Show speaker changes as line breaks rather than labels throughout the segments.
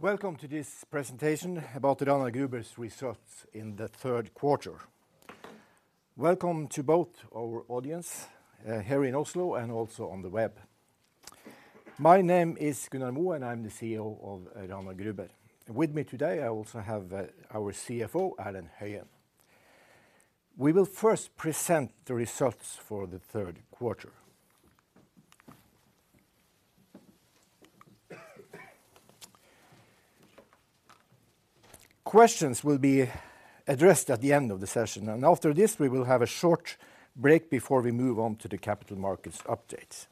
Welcome to this presentation about the Rana Gruber's results in the third quarter. Welcome to both our audience here in Oslo and also on the web. My name is Gunnar Moe, and I'm the CEO of Rana Gruber. With me today, I also have our CFO, Erlend Høyen. We will first present the results for the third quarter. Questions will be addressed at the end of the session, and after this, we will have a short break before we move on to the capital markets update.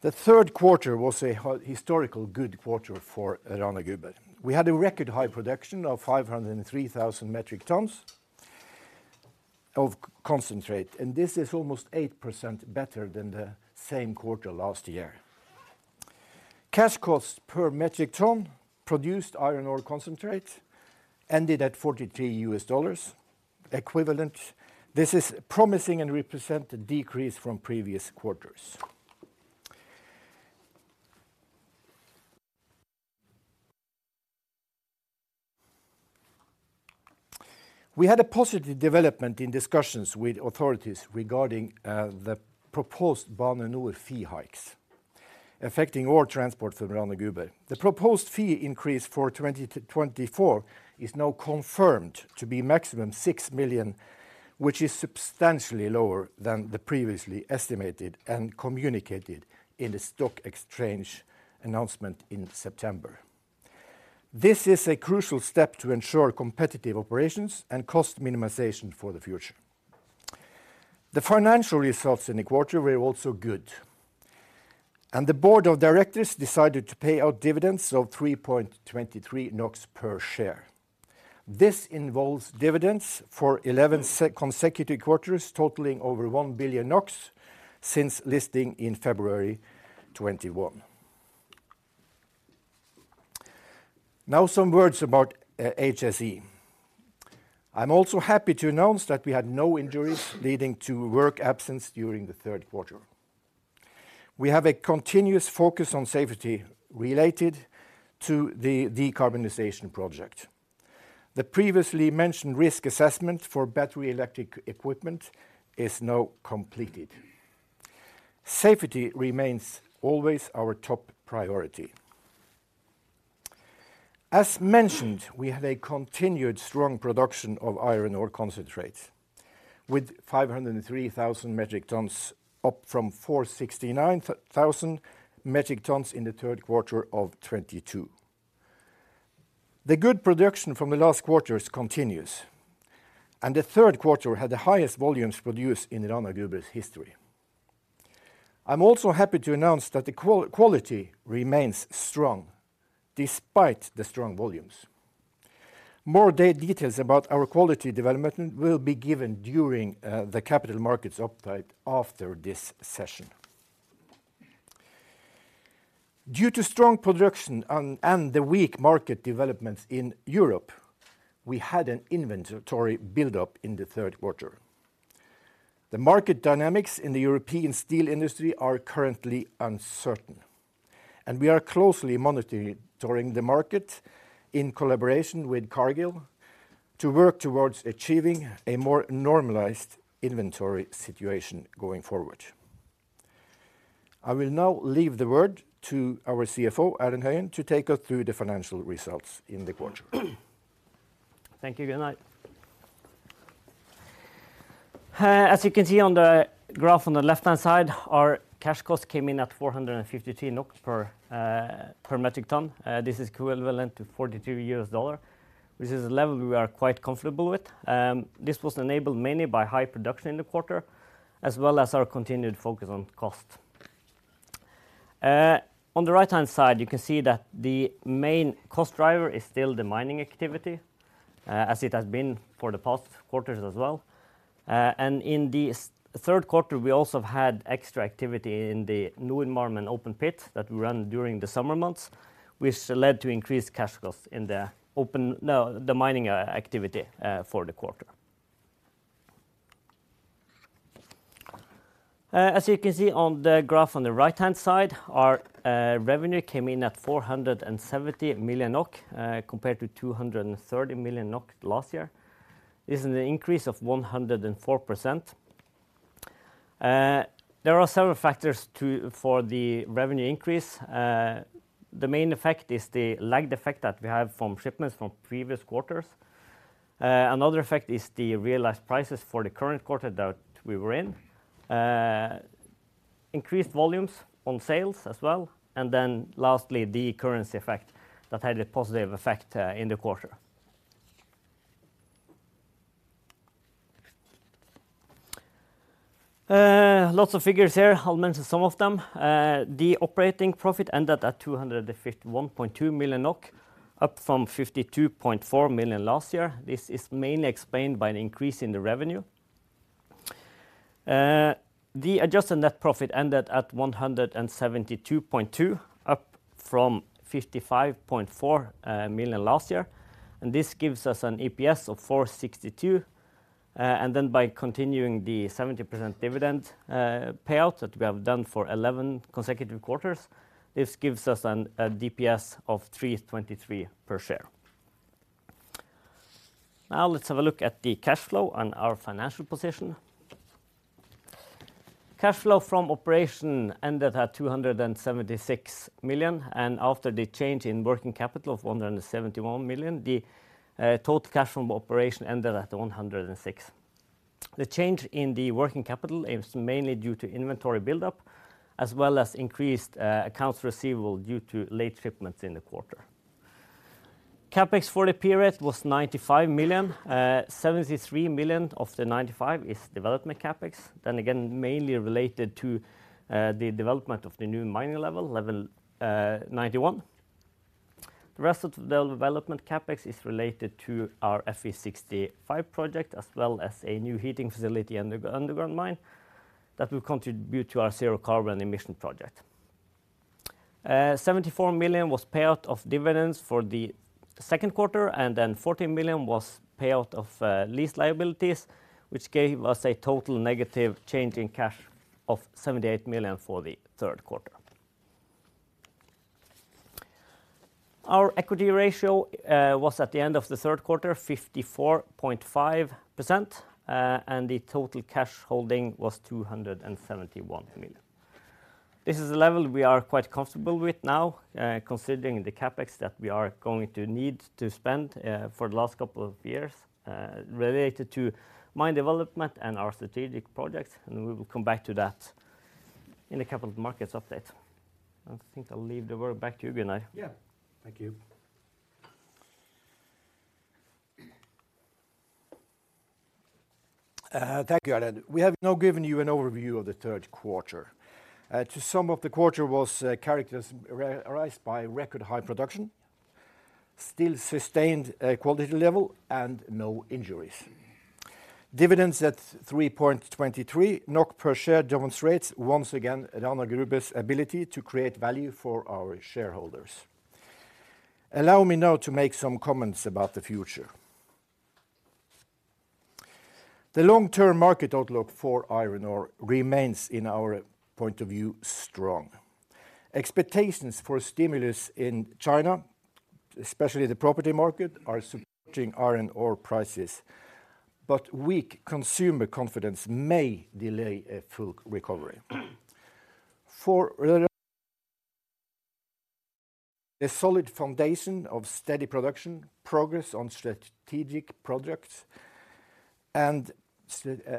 The third quarter was a historical good quarter for Rana Gruber. We had a record high production of 503,000 metric tons of concentrate, and this is almost 8% better than the same quarter last year. Cash costs per metric ton produced iron ore concentrate ended at $43 equivalent. This is promising and represent a decrease from previous quarters. We had a positive development in discussions with authorities regarding the proposed Bane NOR fee hikes affecting all transport from Rana Gruber. The proposed fee increase for 2024 is now confirmed to be maximum 6 million, which is substantially lower than the previously estimated and communicated in the stock exchange announcement in September. This is a crucial step to ensure competitive operations and cost minimization for the future. The financial results in the quarter were also good, and the board of directors decided to pay out dividends of 3.23 NOK per share. This involves dividends for 11 consecutive quarters, totaling over 1 billion NOK since listing in February 2021. Now, some words about HSE. I'm also happy to announce that we had no injuries leading to work absence during the third quarter. We have a continuous focus on safety related to the decarbonization project. The previously mentioned risk assessment for battery electric equipment is now completed. Safety remains always our top priority. As mentioned, we have a continued strong production of iron ore concentrate, with 503,000 metric tons, up from 469,000 metric tons in the third quarter of 2022. The good production from the last quarters continues, and the third quarter had the highest volumes produced in Rana Gruber's history. I'm also happy to announce that the quality remains strong despite the strong volumes. More details about our quality development will be given during the capital markets update after this session. Due to strong production and the weak market developments in Europe, we had an inventory buildup in the third quarter. The market dynamics in the European steel industry are currently uncertain, and we are closely monitoring the market in collaboration with Cargill, to work towards achieving a more normalized inventory situation going forward. I will now leave the word to our CFO, Erlend Høyen, to take us through the financial results in the quarter.
Thank you, Gunnar. As you can see on the graph on the left-hand side, our cash cost came in at 452 per metric ton. This is equivalent to $42, which is a level we are quite comfortable with. This was enabled mainly by high production in the quarter, as well as our continued focus on cost. On the right-hand side, you can see that the main cost driver is still the mining activity, as it has been for the past quarters as well. And in the third quarter, we also had extra activity in the Kvannevann open pit that ran during the summer months, which led to increased cash costs in the mining activity for the quarter. As you can see on the graph on the right-hand side, our revenue came in at 470 million NOK, compared to 230 million NOK last year. This is an increase of 104%. There are several factors for the revenue increase. The main effect is the lag effect that we have from shipments from previous quarters. Another effect is the realized prices for the current quarter that we were in. Increased volumes on sales as well, and then lastly, the currency effect that had a positive effect in the quarter. Lots of figures here. I'll mention some of them. The operating profit ended at 251.2 million NOK, up from 52.4 million last year. This is mainly explained by an increase in the revenue. The adjusted net profit ended at 172.2 million, up from 55.4 million last year, and this gives us an EPS of 4.62, and then by continuing the 70% dividend payout that we have done for eleven consecutive quarters, this gives us a DPS of 3.23 per share. Now let's have a look at the cash flow and our financial position. Cash flow from operation ended at 276 million, and after the change in working capital of 171 million, the total cash from operation ended at 106 million. The change in the working capital is mainly due to inventory buildup, as well as increased accounts receivable due to late shipments in the quarter. CapEx for the period was 95 million. 73 million of the 95 million is development CapEx, then again, mainly related to the development of the new mining level 91. The rest of the development CapEx is related to our Fe65 project, as well as a new heating facility in the underground mine that will contribute to our zero carbon emission project. 74 million was payout of dividends for the second quarter, and then 14 million was payout of lease liabilities, which gave us a total negative change in cash of 78 million for the third quarter. Our equity ratio was at the end of the third quarter 54.5%, and the total cash holding was 271 million. This is a level we are quite comfortable with now, considering the CapEx that we are going to need to spend, for the last couple of years, related to mine development and our strategic projects, and we will come back to that in a capital markets update. I think I'll leave the word back to you, Gunnar.
Yeah. Thank you. Thank you, Erlend. We have now given you an overview of the third quarter. To sum up, the quarter was characterized by record high production, still sustained quality level, and no injuries. Dividends at 3.23 NOK per share demonstrates once again Rana Gruber's ability to create value for our shareholders. Allow me now to make some comments about the future. The long-term market outlook for iron ore remains, in our point of view, strong. Expectations for stimulus in China, especially the property market, are supporting iron ore prices, but weak consumer confidence may delay a full recovery. For a solid foundation of steady production, progress on strategic projects, and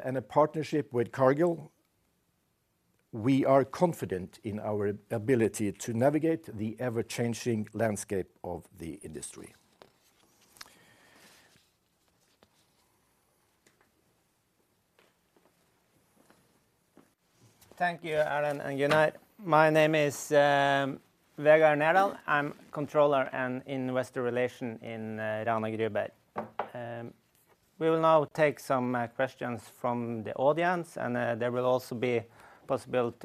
a partnership with Cargill, we are confident in our ability to navigate the ever-changing landscape of the industry.
Thank you, Erlend and Gunnar. My name is Vegard Nerdal. I'm Controller and Investor Relations in Rana Gruber. We will now take some questions from the audience, and there will also be possibility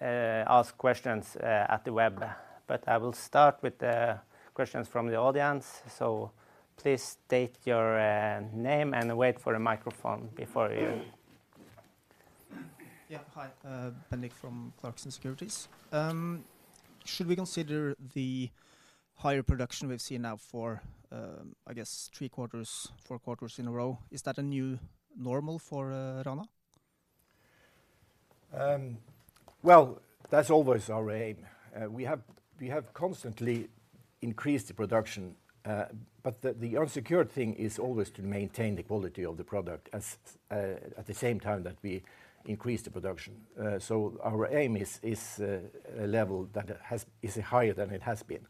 to ask questions at the web. But I will start with the questions from the audience, so please state your name and wait for a microphone before you.
Yeah. Hi, Bendik from Clarksons Securities. Should we consider the higher production we've seen now for, I guess three quarters, four quarters in a row, is that a new normal for Rana?
Well, that's always our aim. We have constantly increased the production, but the uncertain thing is always to maintain the quality of the product at the same time that we increase the production. So our aim is a level that is higher than it has been,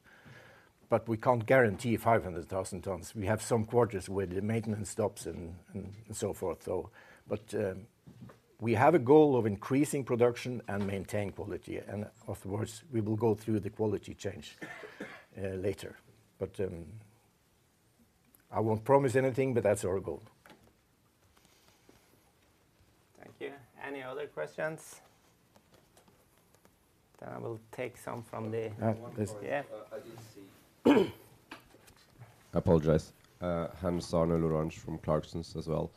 but we can't guarantee 500,000 tons. We have some quarters with the maintenance stops and so forth. But we have a goal of increasing production and maintain quality, and afterwards, we will go through the quality change later. But I won't promise anything, but that's our goal.
Thank you. Any other questions? Then I will take some from the-
Uh, yes.
Yeah.
I did see. I apologize. Hans-Arne L'orange from Clarksons as well.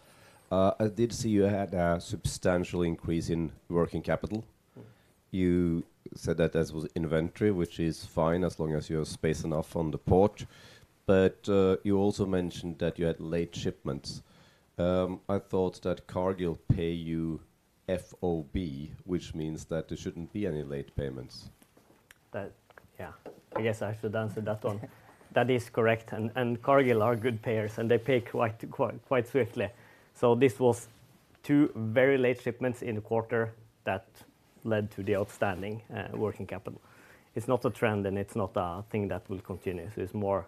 I did see you had a substantial increase in working capital. You said that that was inventory, which is fine as long as you have space enough on the port. But, you also mentioned that you had late shipments. I thought that Cargill pay you FOB, which means that there shouldn't be any late payments.
That... Yeah, I guess I should answer that one. That is correct, and, and Cargill are good payers, and they pay quite, quite, quite swiftly. So this was two very late shipments in the quarter that led to the outstanding working capital. It's not a trend, and it's not a thing that will continue. So it's more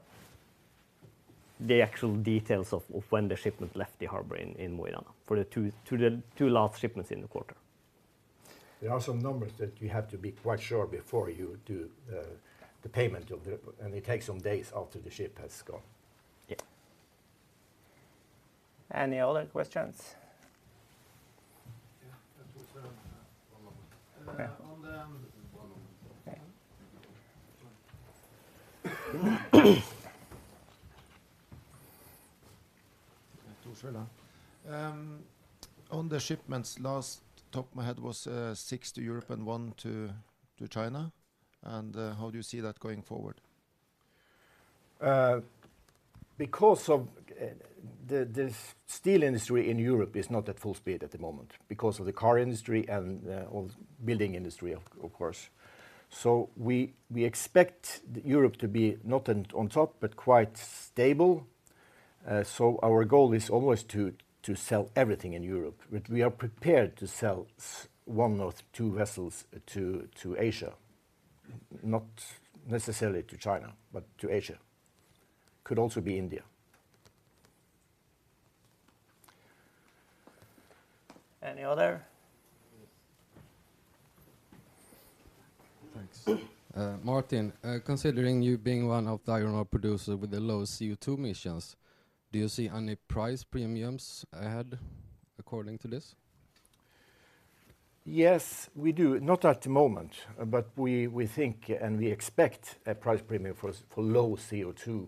the actual details of, of when the shipment left the harbor in, in Mo i Rana for the two last shipments in the quarter.
There are some numbers that you have to be quite sure before you do the payment of the... And it takes some days after the ship has gone.
Yeah.
Any other questions?
Yeah, I think so.
Okay.
On the shipments, last top of my head was six to Europe and one to China. And how do you see that going forward?
Because of the steel industry in Europe is not at full speed at the moment, because of the car industry and all building industry, of course. So we expect Europe to be not on top, but quite stable. So our goal is always to sell everything in Europe, but we are prepared to sell one or two vessels to Asia, not necessarily to China, but to Asia. Could also be India.
Any other?
Thanks. Martin. Considering you being one of the iron ore producer with the low CO2 emissions, do you see any price premiums ahead according to this?
Yes, we do. Not at the moment, but we think, and we expect a price premium for low CO2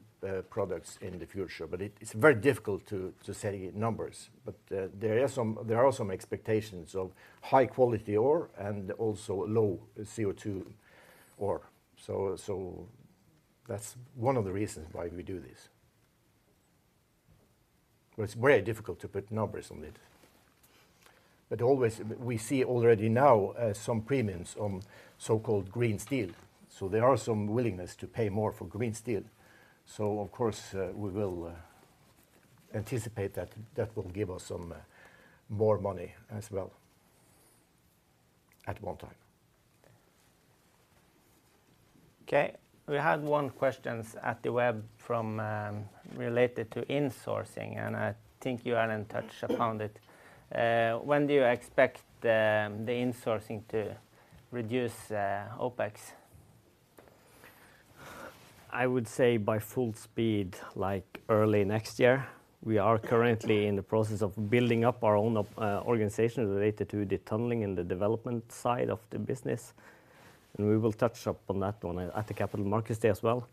products in the future. But it's very difficult to say numbers. But there are some expectations of high quality ore and also low CO2 ore. So that's one of the reasons why we do this. But it's very difficult to put numbers on it. But always we see already now some premiums on so-called green steel, so there are some willingness to pay more for green steel. So of course, we will anticipate that that will give us some more money as well, at one time.
Okay. We had one question from the web related to insourcing, and I think you are in touch around it. When do you expect the insourcing to reduce OpEx?
I would say by full speed, like early next year. We are currently in the process of building up our own organization related to the tunneling and the development side of the business, and we will touch up on that one at the Capital Markets Day as well.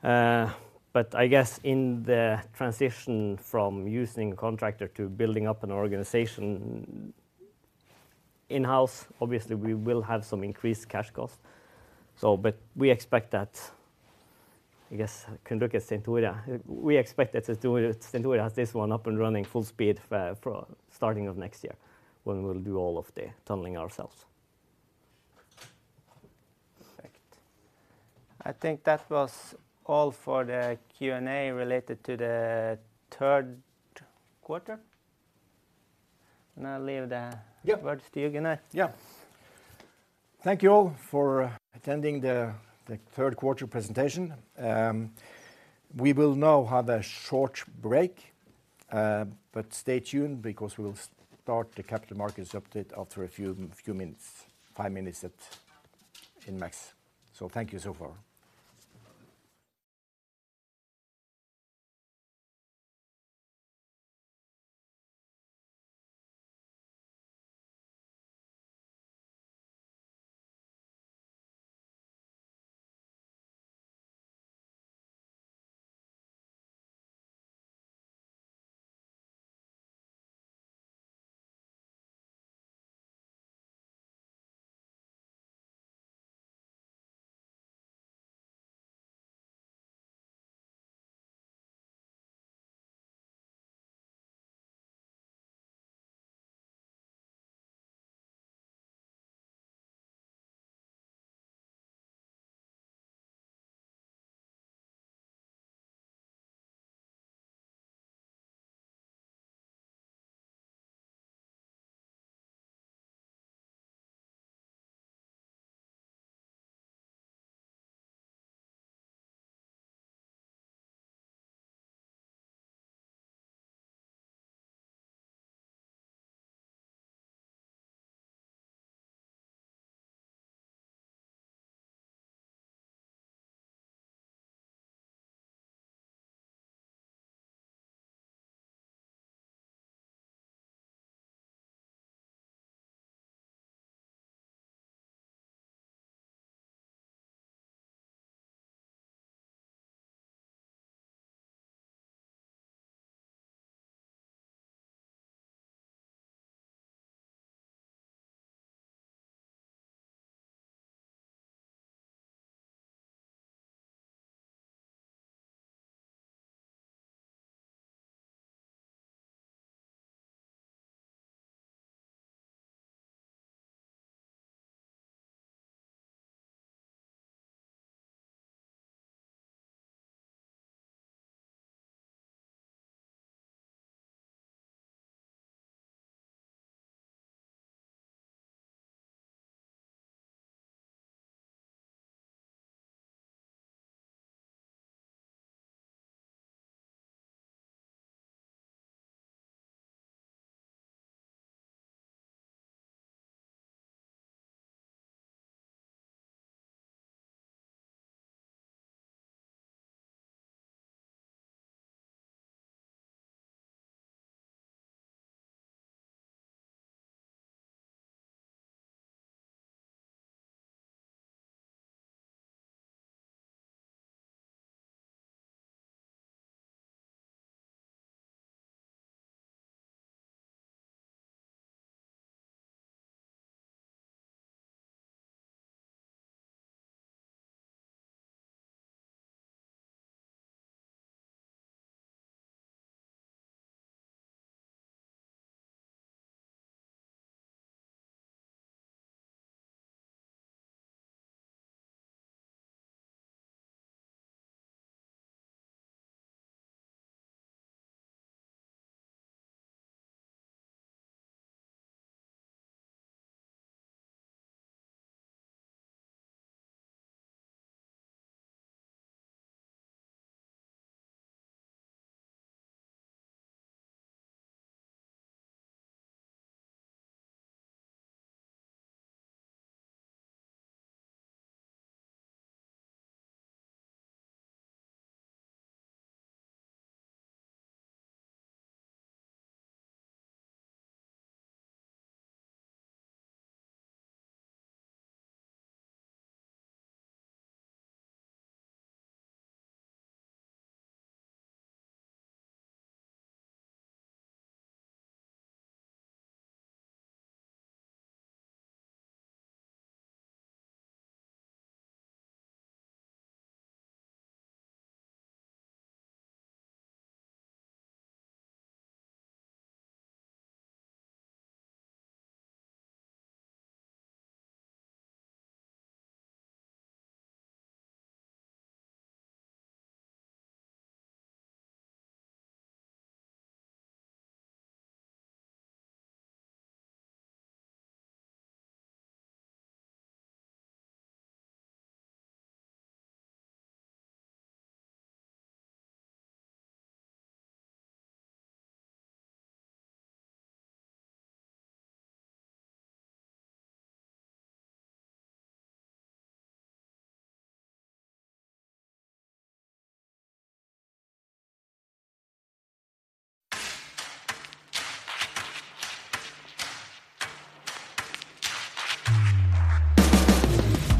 But I guess in the transition from using contractor to building up an organization in-house, obviously, we will have some increased cash costs. So but we expect that... I guess, I can look at Stein Tore. We expect that Stein Tore, Stein Tore has this one up and running full speed for, for starting of next year, when we'll do all of the tunneling ourselves.
Perfect. I think that was all for the Q&A related to the third quarter. I'll leave the-
Yeah...
words to you, Gunnar.
Yeah. Thank you all for attending the third quarter presentation. We will now have a short break, but stay tuned because we will start the capital markets update after a few minutes, five minutes at most. So thank you so far.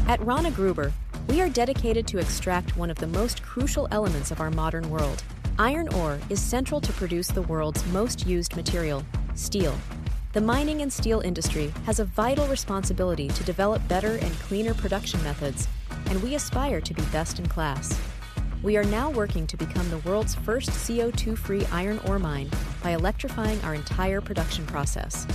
At Rana Gruber, we are dedicated to extract one of the most crucial elements of our modern world. Iron ore is central to produce the world's most used material, steel. The mining and steel industry has a vital responsibility to develop better and cleaner production methods, and we aspire to be best in class. We are now working to become the world's first CO2 free iron ore mine by electrifying our entire production process.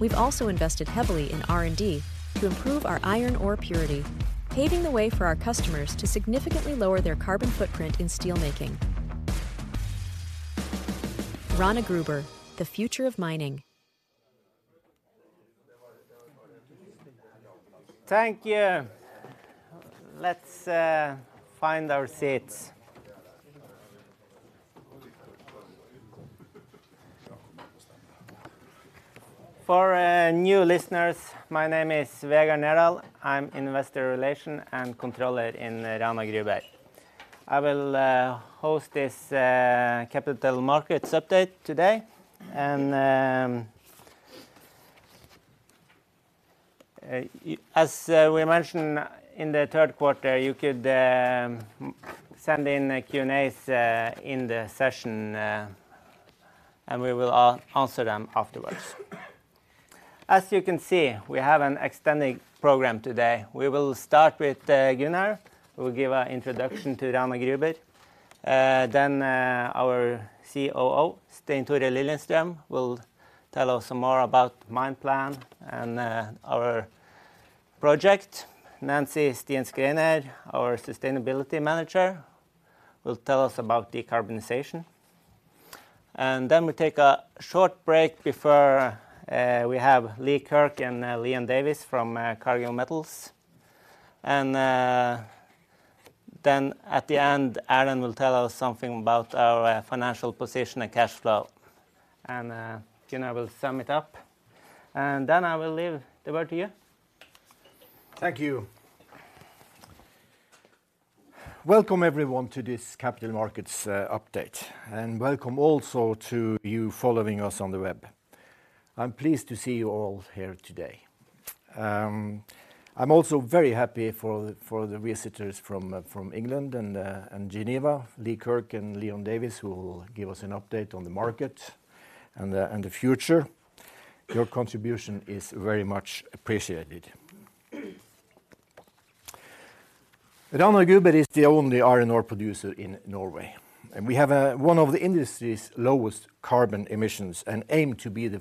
We've also invested heavily in R&D to improve our iron ore purity, paving the way for our customers to significantly lower their carbon footprint in steelmaking. Rana Gruber, the future of mining.
Thank you. Let's find our seats. For new listeners, my name is Vegard Nerdal. I'm Investor Relations and Controller in Rana Gruber. I will host this capital markets update today, and as we mentioned in the third quarter, you could send in a Q&As in the session, and we will answer them afterwards. As you can see, we have an extended program today. We will start with Gunnar, who will give an introduction to Rana Gruber. Then our COO, Stein Tore Liljenström, will tell us some more about mine plan and our project. Nancy Stien Schreiner, our Sustainability Manager, will tell us about decarbonization. And then we take a short break before we have Lee Kirk and Leon Davies from Cargill Metals. Then at the end, Erlend will tell us something about our financial position and cash flow, and Gunnar will sum it up. Then I will leave the word to you.
Thank you. Welcome, everyone, to this capital markets update, and welcome also to you following us on the web. I'm pleased to see you all here today. I'm also very happy for the visitors from England and Geneva, Lee Kirk and Leon Davies, who will give us an update on the market and the future. Your contribution is very much appreciated. Rana Gruber is the only iron ore producer in Norway, and we have one of the industry's lowest carbon emissions and aim to be the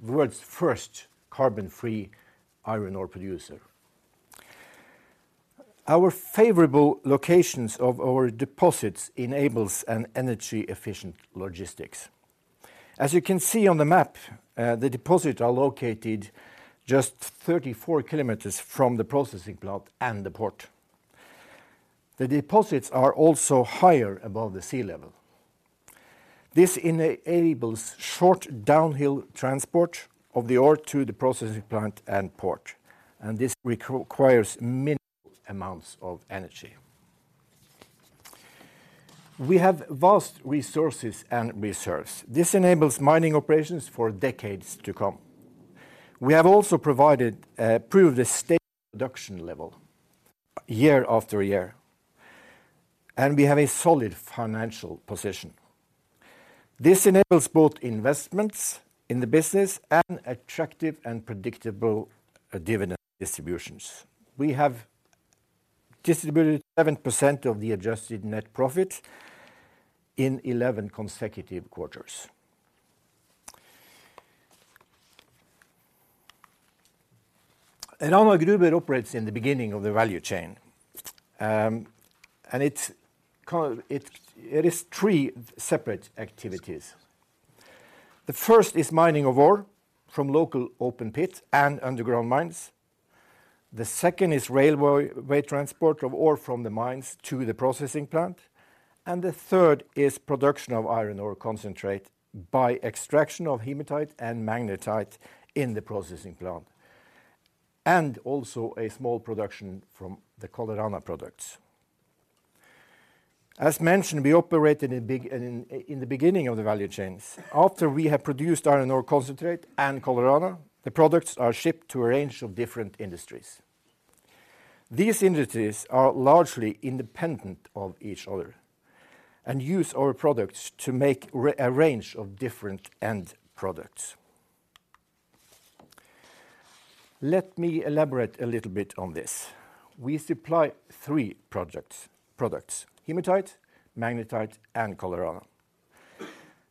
world's first carbon-free iron ore producer. Our favorable locations of our deposits enables an energy-efficient logistics. As you can see on the map, the deposit are located just 34 km from the processing plant and the port. The deposits are also higher above the sea level. This enables short downhill transport of the ore to the processing plant and port, and this requires minimal amounts of energy. We have vast resources and reserves. This enables mining operations for decades to come. We have also proved a stable production level year after year, and we have a solid financial position. This enables both investments in the business and attractive and predictable dividend distributions. We have distributed 7% of the adjusted net profit in 11 consecutive quarters. Rana Gruber operates in the beginning of the value chain, and it is three separate activities. The first is mining of ore from local open pits and underground mines. The second is railway transport of ore from the mines to the processing plant. And the third is production of iron ore concentrate by extraction of hematite and magnetite in the processing plant, and also a small production from the Colorana products. As mentioned, we operate in the beginning of the value chains. After we have produced iron ore concentrate and Colorana, the products are shipped to a range of different industries. These industries are largely independent of each other and use our products to make a range of different end products. Let me elaborate a little bit on this. We supply three products: hematite, magnetite, and Colorana.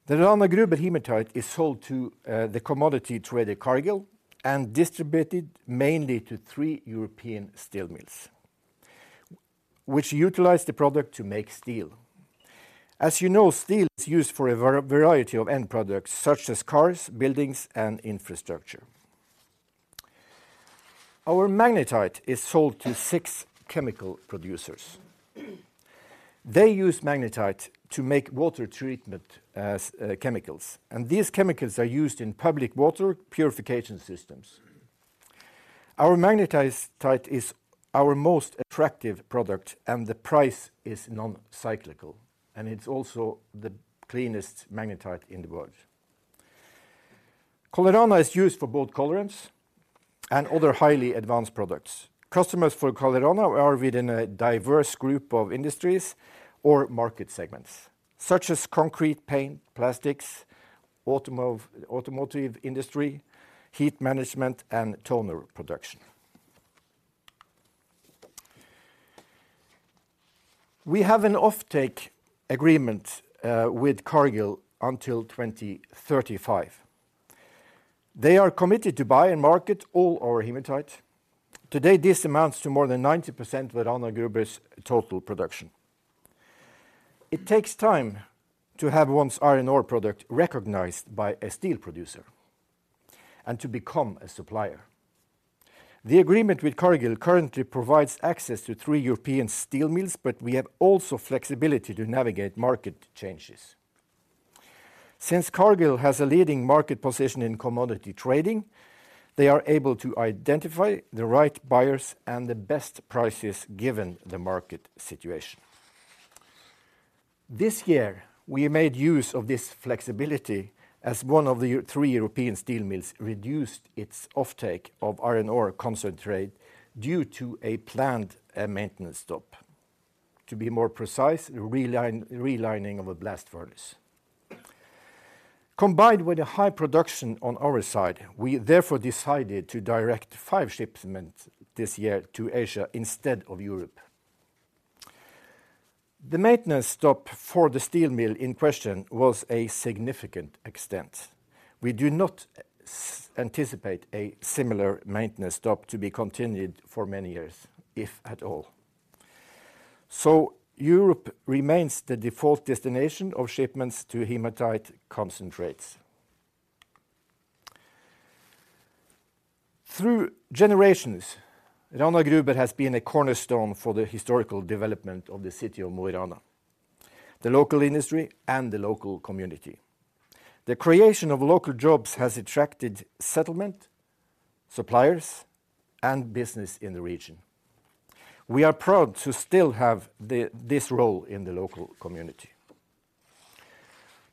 The Rana Gruber hematite is sold to the commodity trader Cargill, and distributed mainly to three European steel mills, which utilize the product to make steel. As you know, steel is used for a variety of end products, such as cars, buildings, and infrastructure. Our magnetite is sold to six chemical producers. They use magnetite to make water treatment as chemicals, and these chemicals are used in public water purification systems. Our magnetite is our most attractive product, and the price is non-cyclical, and it's also the cleanest magnetite in the world. Colorana is used for both colorants and other highly advanced products. Customers for Colorana are within a diverse group of industries or market segments, such as concrete paint, plastics, automotive industry, heat management, and toner production. We have an offtake agreement with Cargill until 2035. They are committed to buy and market all our hematite. Today, this amounts to more than 90% of Rana Gruber's total production. It takes time to have one's iron ore product recognized by a steel producer and to become a supplier. The agreement with Cargill currently provides access to three European steel mills, but we have also flexibility to navigate market changes. Since Cargill has a leading market position in commodity trading, they are able to identify the right buyers and the best prices given the market situation. This year, we made use of this flexibility as one of the three European steel mills reduced its offtake of iron ore concentrate due to a planned maintenance stop. To be more precise, relining of a blast furnace. Combined with a high production on our side, we therefore decided to direct five shipments this year to Asia instead of Europe. The maintenance stop for the steel mill in question was a significant extent. We do not anticipate a similar maintenance stop to be continued for many years, if at all. Europe remains the default destination of shipments to hematite concentrates. Through generations, Rana Gruber has been a cornerstone for the historical development of the city of Mo i Rana, the local industry, and the local community. The creation of local jobs has attracted settlement, suppliers, and business in the region. We are proud to still have this role in the local community.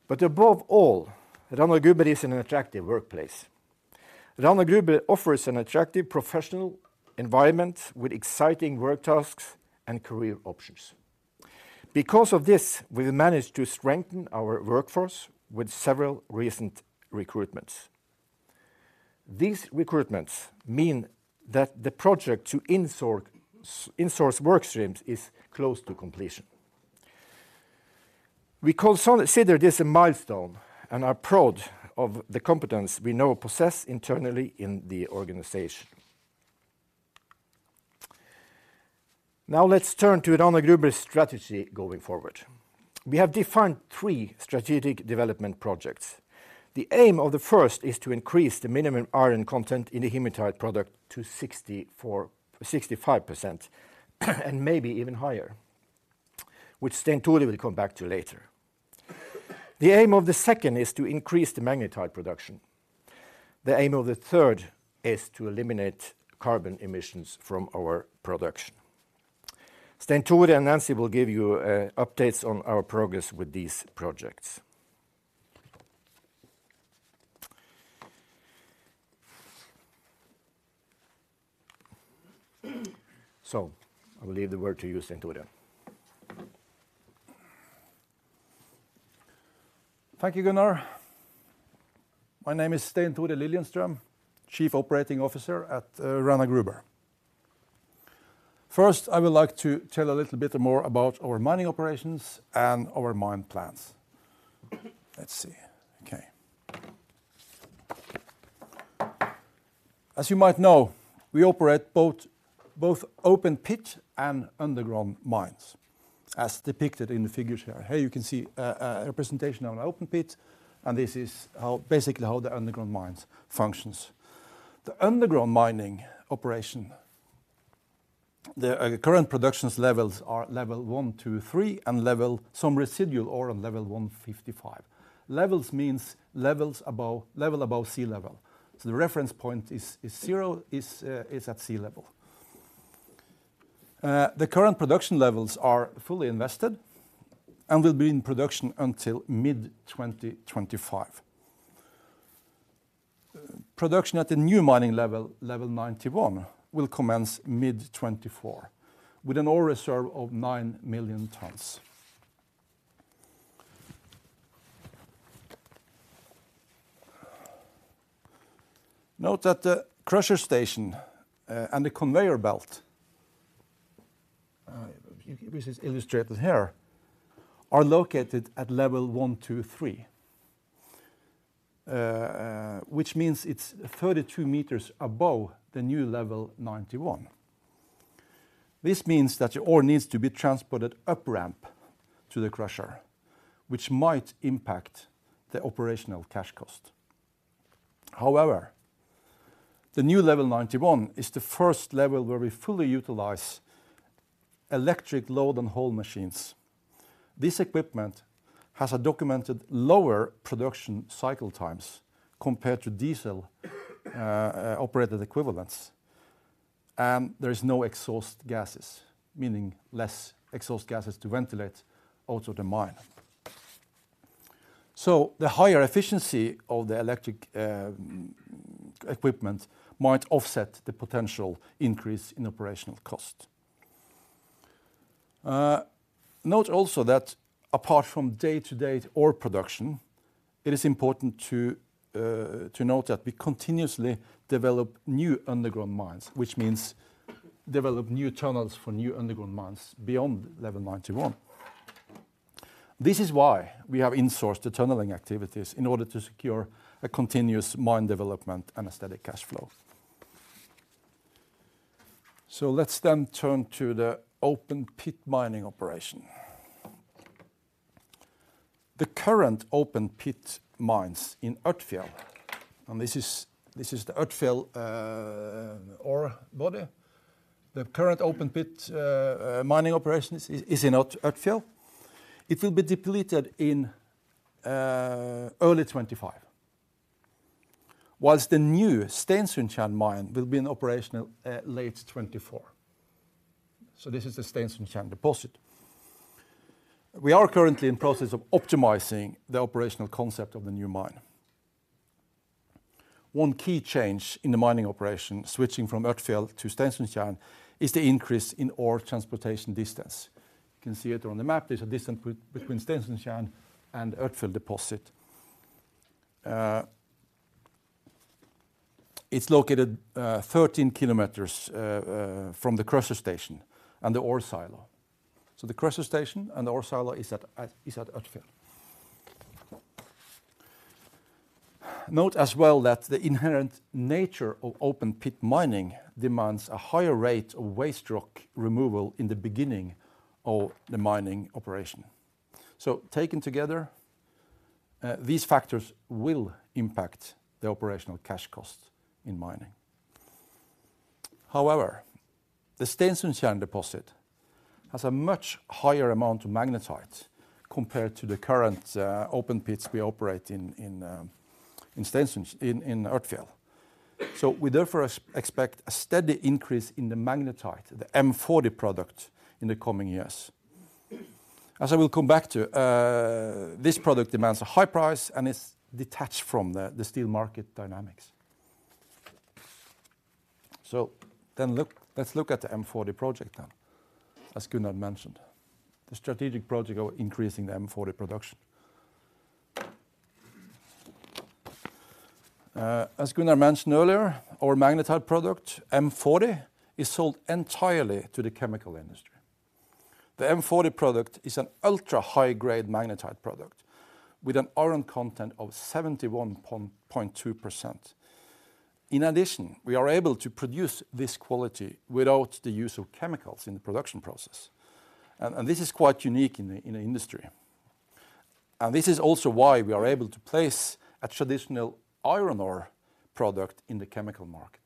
But above all, Rana Gruber is an attractive workplace. Rana Gruber offers an attractive professional environment with exciting work tasks and career options. Because of this, we've managed to strengthen our workforce with several recent recruitments. These recruitments mean that the project to insource work streams is close to completion. We consider this a milestone and are proud of the competence we now possess internally in the organization. Now, let's turn to Rana Gruber's strategy going forward. We have defined three strategic development projects. The aim of the first is to increase the minimum iron content in the hematite product to 64%-65%, and maybe even higher, which Stein Tore will come back to later. The aim of the second is to increase the magnetite production. The aim of the third is to eliminate carbon emissions from our production. Stein Tore and Nancy will give you updates on our progress with these projects. So I will leave the word to you, Stein Tore.
Thank you, Gunnar. My name is Stein Tore Liljenström, Chief Operating Officer at Rana Gruber. First, I would like to tell a little bit more about our mining operations and our mine plans. Let's see. Okay. As you might know, we operate both open pit and underground mines, as depicted in the figures here. Here you can see a presentation on an open pit, and this is basically how the underground mines function. The underground mining operation, the current production levels are levels 1 to 3, and level some residual ore on level 155. Levels means levels above sea level, so the reference point is zero at sea level. The current production levels are fully invested and will be in production until mid-2025. Production at the new mining level, level 91, will commence mid-2024, with an ore reserve of 9 million tons. Note that the crusher station, and the conveyor belt, which is illustrated here, are located at level 123, which means it's 32 m above the new level 91. This means that the ore needs to be transported up-ramp to the crusher, which might impact the operational cash cost. However, the new level 91 is the first level where we fully utilize electric load and haul machines. This equipment has a documented lower production cycle times compared to diesel, operated equivalents, and there is no exhaust gases, meaning less exhaust gases to ventilate out of the mine. So the higher efficiency of the electric, equipment might offset the potential increase in operational cost. Note also that apart from day-to-day ore production, it is important to note that we continuously develop new underground mines, which means develop new tunnels for new underground mines beyond level 91. This is why we have insourced the tunneling activities in order to secure a continuous mine development and a steady cash flow. So let's then turn to the open pit mining operation. The current open-pit mines in Ørtfjell, and this is the Ørtfjell ore body. The current open pit mining operations is in Ørtfjell. It will be depleted in early 2025. While the new Stensundtjern mine will be in operation late 2024. So this is the Stensundtjern deposit. We are currently in process of optimizing the operational concept of the new mine. One key change in the mining operation, switching from Ørtfjell to Stensundtjern, is the increase in ore transportation distance. You can see it on the map, there's a distance between Stensundtjern and Ørtfjell deposit. It's located 13 km from the crusher station and the ore silo. So the crusher station and the ore silo is at Ørtfjell. Note as well that the inherent nature of open pit mining demands a higher rate of waste rock removal in the beginning of the mining operation. So taken together, these factors will impact the operational cash cost in mining. However, the Stensundtjern deposit has a much higher amount of magnetite compared to the current open pits we operate in Ørtfjell. So we therefore expect a steady increase in the magnetite, the M40 product, in the coming years. As I will come back to, this product demands a high price and is detached from the steel market dynamics. So let's look at the M40 project now, as Gunnar mentioned, the strategic project of increasing the M40 production. As Gunnar mentioned earlier, our magnetite product, M40, is sold entirely to the chemical industry. The M40 product is an ultra-high-grade magnetite product with an iron content of 71.2%. In addition, we are able to produce this quality without the use of chemicals in the production process, and this is quite unique in the industry. And this is also why we are able to place a traditional iron ore product in the chemical market.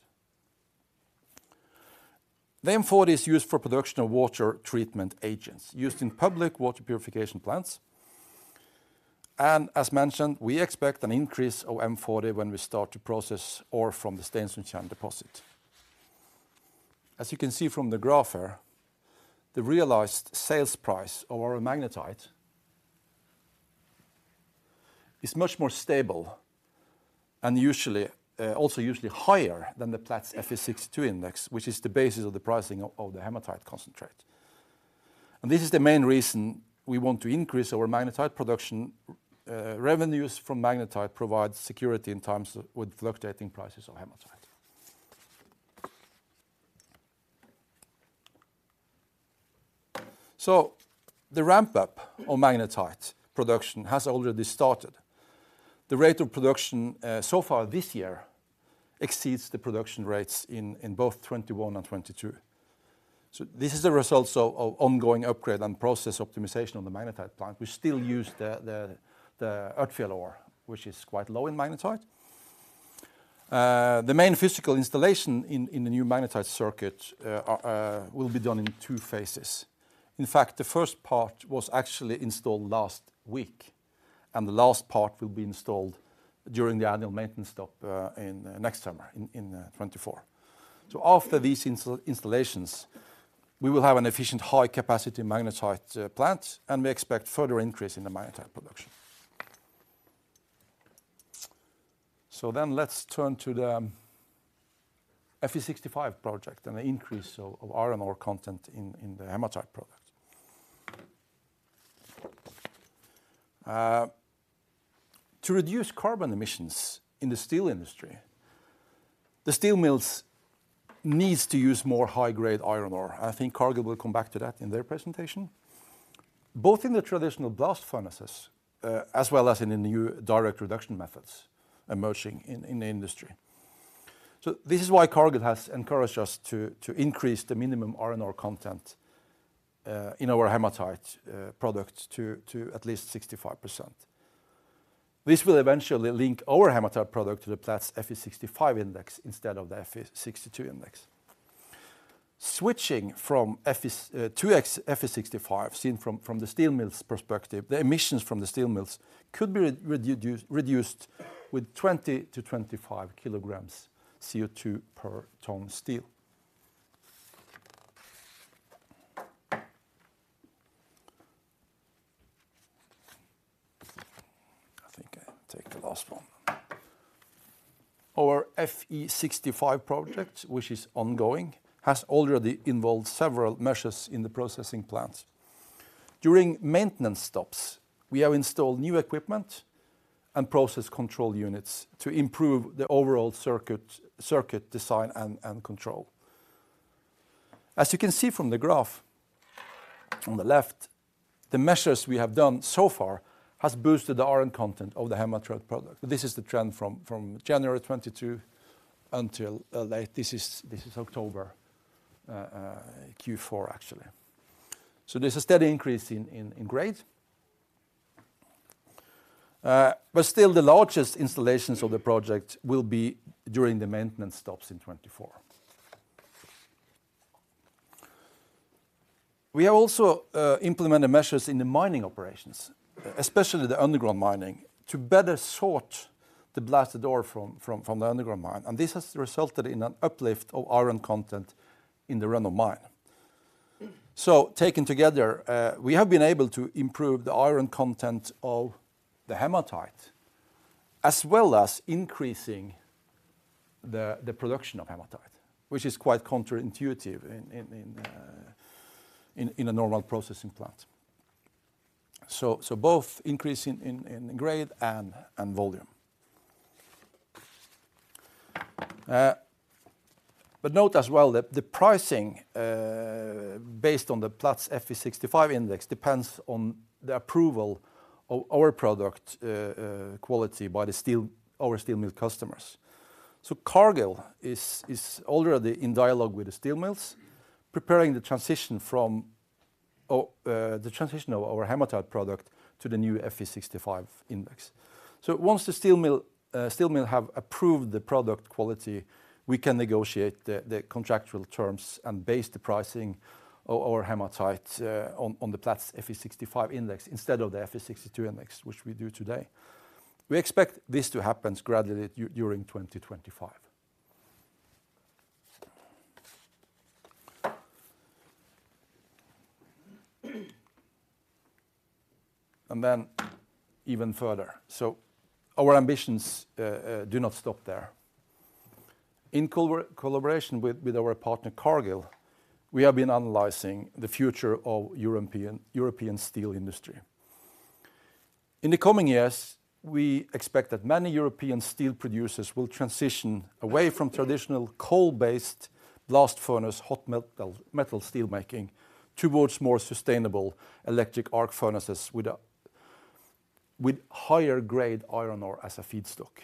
The M40 is used for production of water treatment agents, used in public water purification plants. As mentioned, we expect an increase of M40 when we start to process ore from the Stensundtjern deposit. As you can see from the graph here, the realized sales price of our magnetite is much more stable and usually also usually higher than the Platts Fe62 Index, which is the basis of the pricing of the hematite concentrate. And this is the main reason we want to increase our magnetite production. Revenues from magnetite provide security in times with fluctuating prices of hematite. So the ramp up of magnetite production has already started. The rate of production so far this year exceeds the production rates in both 2021 and 2022. So this is the results of ongoing upgrade and process optimization on the magnetite plant. We still use the Ørtfjell ore, which is quite low in magnetite. The main physical installation in the new magnetite circuit will be done in two phases. In fact, the first part was actually installed last week, and the last part will be installed during the annual maintenance stop in next summer in 2024. So after these installations, we will have an efficient, high-capacity magnetite plant, and we expect further increase in the magnetite production. So then let's turn to the Fe65 project and the increase of iron ore content in the hematite product. To reduce carbon emissions in the steel industry, the steel mills needs to use more high-grade iron ore. I think Cargill will come back to that in their presentation. Both in the traditional blast furnaces as well as in the new direct reduction methods emerging in the industry. So this is why Cargill has encouraged us to increase the minimum iron ore content in our hematite product to at least 65%. This will eventually link our hematite product to the Platts Fe65 index instead of the Fe62 index. Switching from Fe65, seen from the steel mills' perspective, the emissions from the steel mills could be reduced with 20 kg-25 kg CO2 per ton steel. I think I take the last one. Our Fe65 project, which is ongoing, has already involved several measures in the processing plants. During maintenance stops, we have installed new equipment and process control units to improve the overall circuit design and control. As you can see from the graph on the left, the measures we have done so far has boosted the iron content of the hematite product. This is the trend from January 2022 until late. This is October, Q4, actually. So there's a steady increase in grade. But still, the largest installations of the project will be during the maintenance stops in 2024. We have also implemented measures in the mining operations, especially the underground mining, to better sort the blasted ore from the underground mine, and this has resulted in an uplift of iron content in the Rønnå mine. So taken together, we have been able to improve the iron content of the hematite, as well as increasing the production of hematite, which is quite counterintuitive in a normal processing plant. So both increase in grade and volume. But note as well that the pricing, based on the Platts Fe65 index, depends on the approval of our product quality by our steel mill customers. So Cargill is already in dialogue with the steel mills, preparing the transition from the transition of our hematite product to the new Fe65 index. So once the steel mills have approved the product quality, we can negotiate the contractual terms and base the pricing of our hematite on the Platts Fe65 index instead of the Fe62 index, which we do today. We expect this to happen gradually during 2025. And then even further, so our ambitions do not stop there. In collaboration with our partner, Cargill, we have been analyzing the future of European steel industry. In the coming years, we expect that many European steel producers will transition away from traditional coal-based blast furnace, hot metal, metal steel making, towards more sustainable electric arc furnaces with higher grade iron ore as a feedstock.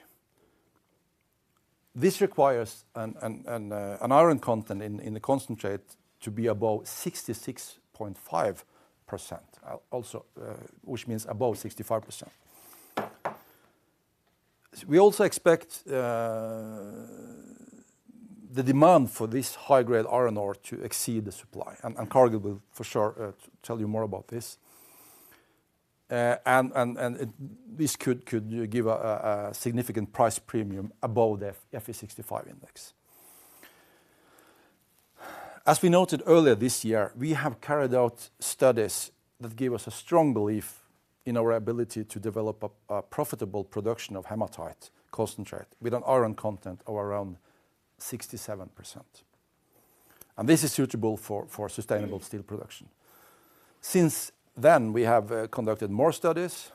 This requires an iron content in the concentrate to be above 66.5%, which means above 65%. We also expect the demand for this high-grade iron ore to exceed the supply, and Cargill will for sure tell you more about this. And this could give a significant price premium above the Fe65 Index. As we noted earlier this year, we have carried out studies that give us a strong belief in our ability to develop a profitable production of Hematite concentrate with an iron content of around 67%, and this is suitable for sustainable steel production. Since then, we have conducted more studies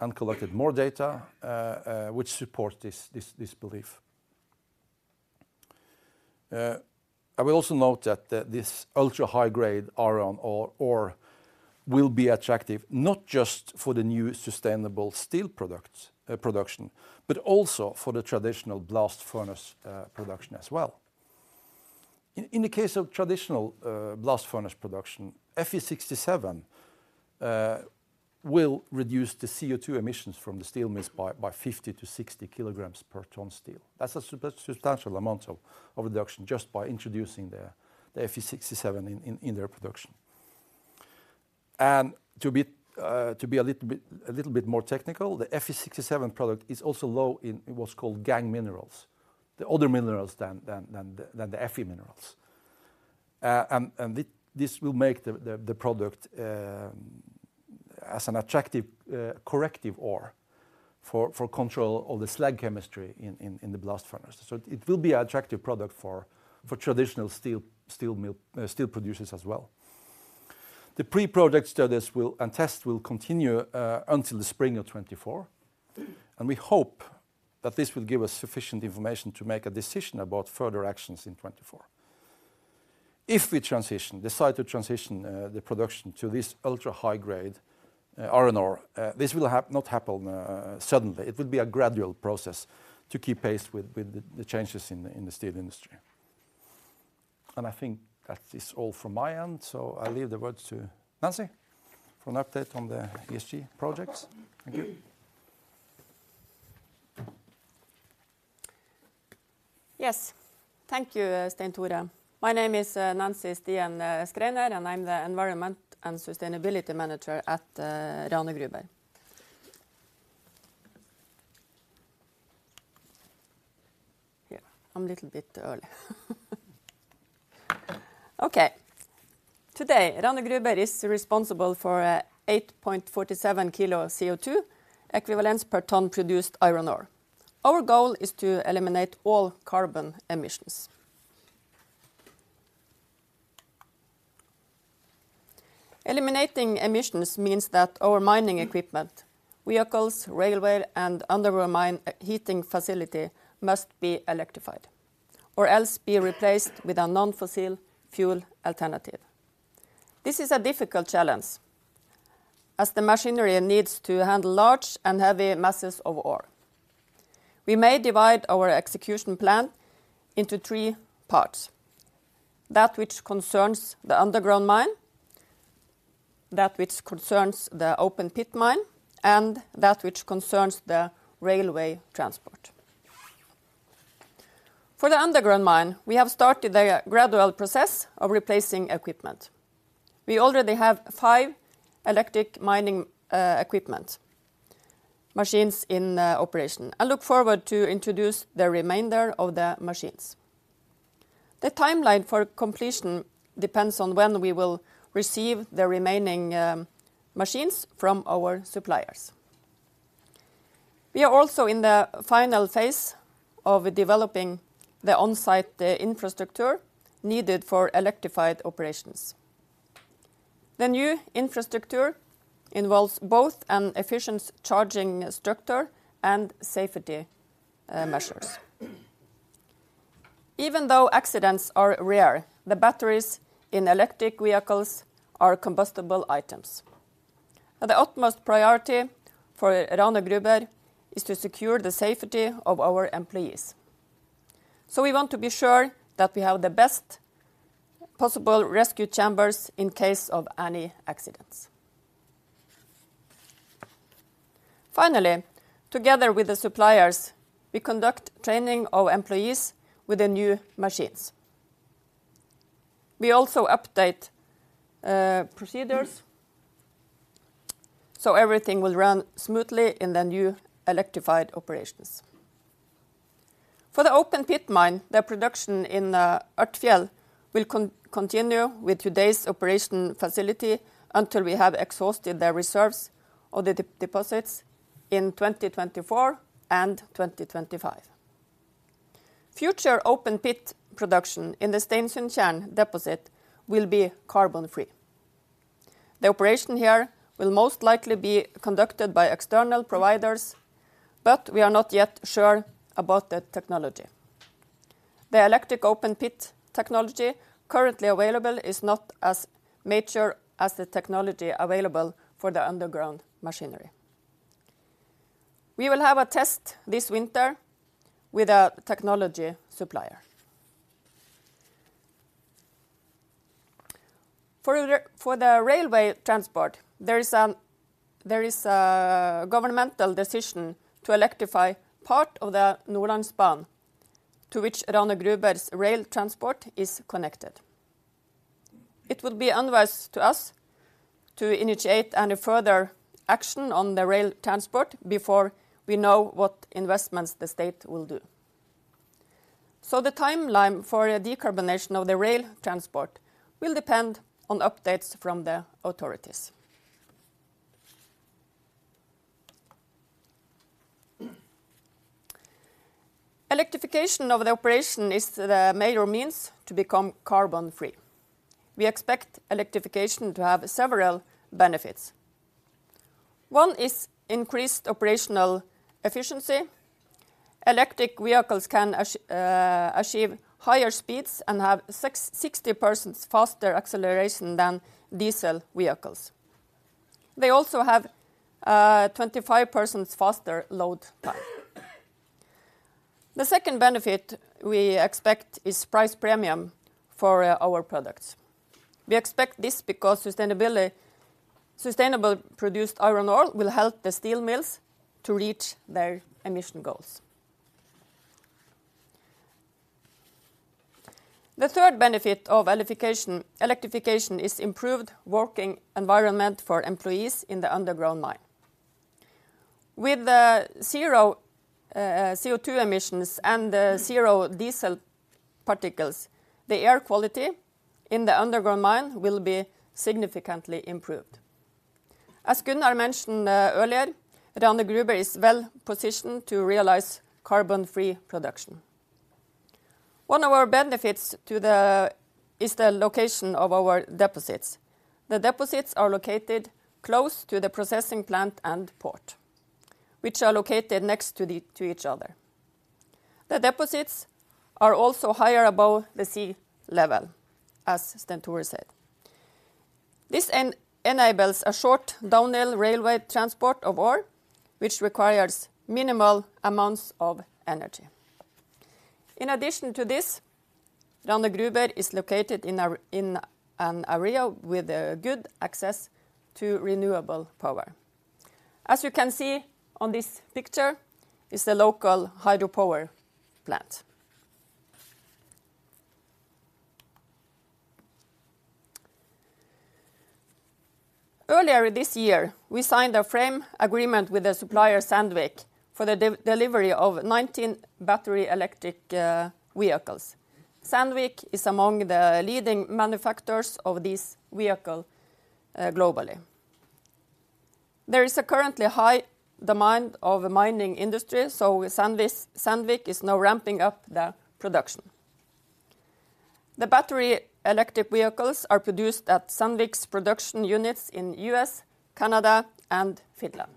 and collected more data, which support this belief. I will also note that this ultra-high-grade iron ore will be attractive not just for the new sustainable steel production, but also for the traditional blast furnace production as well. In the case of traditional blast furnace production, Fe67 will reduce the CO2 emissions from the steel mills by 50 kg-60 kg per ton steel. That's a substantial amount of reduction just by introducing the Fe67 in their production. And to be a little bit more technical, the Fe67 product is also low in what's called gangue minerals, the other minerals than the Fe minerals. And this will make the product as an attractive corrective ore for control of the slag chemistry in the blast furnace. So it will be an attractive product for traditional steel mill steel producers as well. The pre-project studies and tests will continue until the spring of 2024, and we hope that this will give us sufficient information to make a decision about further actions in 2024. If we transition, decide to transition, the production to this ultra-high-grade, iron ore, this will not happen, suddenly. It will be a gradual process to keep pace with, with the, the changes in the, in the steel industry. And I think that is all from my end, so I leave the word to Nancy for an update on the ESG projects. Thank you.
Yes. Thank you, Stein Tore. My name is Nancy Stien Schreiner, and I'm the Environment and Sustainability Manager at Rana Gruber. Yeah, I'm a little bit early. Okay. Today, Rana Gruber is responsible for 8.47 kilo of CO2 equivalence per ton produced iron ore. Our goal is to eliminate all carbon emissions. Eliminating emissions means that our mining equipment, vehicles, railway, and underground mine heating facility must be electrified, or else be replaced with a non-fossil fuel alternative. This is a difficult challenge, as the machinery needs to handle large and heavy masses of ore. We may divide our execution plan into three parts: that which concerns the underground mine, that which concerns the open-pit mine, and that which concerns the railway transport. For the underground mine, we have started a gradual process of replacing equipment. We already have five electric mining equipment machines in operation. I look forward to introduce the remainder of the machines. The timeline for completion depends on when we will receive the remaining machines from our suppliers. We are also in the final phase of developing the on-site infrastructure needed for electrified operations. The new infrastructure involves both an efficient charging structure and safety measures. Even though accidents are rare, the batteries in electric vehicles are combustible items, and the utmost priority for Rana Gruber is to secure the safety of our employees. So we want to be sure that we have the best possible rescue chambers in case of any accidents. Finally, together with the suppliers, we conduct training of employees with the new machines. We also update procedures so everything will run smoothly in the new electrified operations. For the open-pit mine, the production in Ørtfjell will continue with today's operation facility until we have exhausted the reserves of the deposits in 2024 and 2025. Future open-pit production in the Stensundtjern deposit will be carbon-free. The operation here will most likely be conducted by external providers, but we are not yet sure about the technology. The electric open-pit technology currently available is not as mature as the technology available for the underground machinery. We will have a test this winter with a technology supplier. For the railway transport, there is a governmental decision to electrify part of the Nordlandsbanen, to which Rana Gruber's rail transport is connected. It will be unwise to us to initiate any further action on the rail transport before we know what investments the state will do. So the timeline for a decarbonization of the rail transport will depend on updates from the authorities. Electrification of the operation is the major means to become carbon-free. We expect electrification to have several benefits. One is increased operational efficiency. Electric vehicles can achieve higher speeds and have 60% faster acceleration than diesel vehicles. They also have 25% faster load time. The second benefit we expect is price premium for our products. We expect this because sustainable produced iron ore will help the steel mills to reach their emission goals. The third benefit of electrification is improved working environment for employees in the underground mine. With zero CO2 emissions and zero diesel particles, the air quality in the underground mine will be significantly improved. As Gunnar mentioned earlier, Rana Gruber is well positioned to realize carbon-free production. One of our benefits is the location of our deposits. The deposits are located close to the processing plant and port, which are located next to each other. The deposits are also higher above the sea level, as Stein Tore said. This enables a short downhill railway transport of ore, which requires minimal amounts of energy. In addition to this, Rana Gruber is located in an area with good access to renewable power. As you can see on this picture is the local hydropower plant. Earlier this year, we signed a frame agreement with the supplier Sandvik for the delivery of 19 battery electric vehicles. Sandvik is among the leading manufacturers of this vehicle globally. There is currently high demand of the mining industry, so Sandvik is now ramping up the production. The battery electric vehicles are produced at Sandvik's production units in U.S., Canada, and Finland.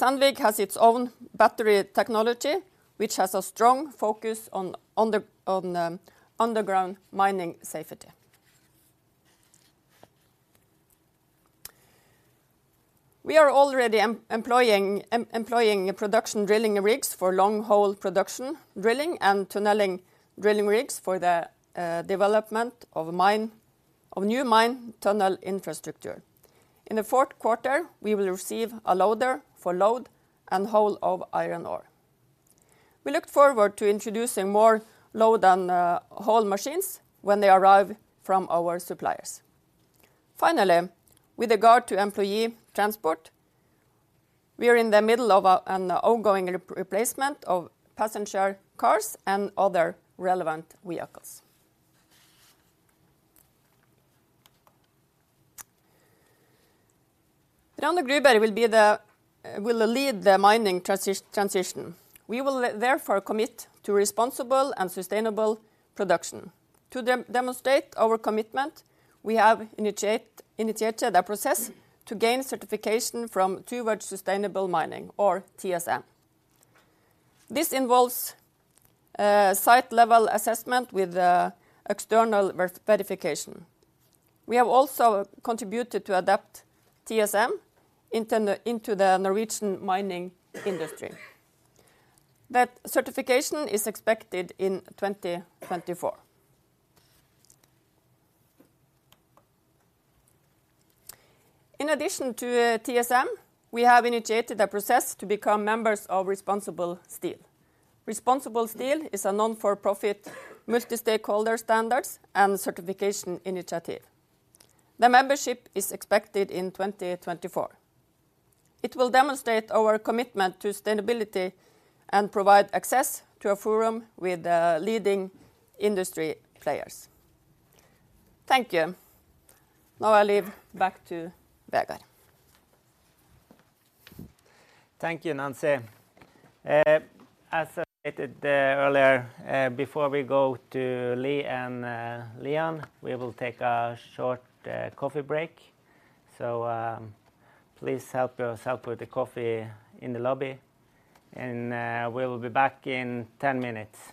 Sandvik has its own battery technology, which has a strong focus on underground mining safety. We are already employing production drilling rigs for long hole production, drilling and tunneling drilling rigs for the development of mine, of new mine tunnel infrastructure. In the fourth quarter, we will receive a loader for load and haul of iron ore. We look forward to introducing more load and haul machines when they arrive from our suppliers. Finally, with regard to employee transport, we are in the middle of an ongoing replacement of passenger cars and other relevant vehicles. Rana Gruber will lead the mining transition. We will therefore commit to responsible and sustainable production. To demonstrate our commitment, we have initiated a process to gain certification from Towards Sustainable Mining or TSM. This involves site-level assessment with external verification. We have also contributed to adapt TSM into the Norwegian mining industry. That certification is expected in 2024. In addition to TSM, we have initiated a process to become members of ResponsibleSteel. ResponsibleSteel is a not-for-profit, multi-stakeholder standards and certification initiative. The membership is expected in 2024. It will demonstrate our commitment to sustainability and provide access to a forum with leading industry players. Thank you. Now, I leave back to Vegard.
Thank you, Nancy. As I stated earlier, before we go to Lee and Leon, we will take a short coffee break. Please help yourself with the coffee in the lobby, and we will be back in 10 minutes.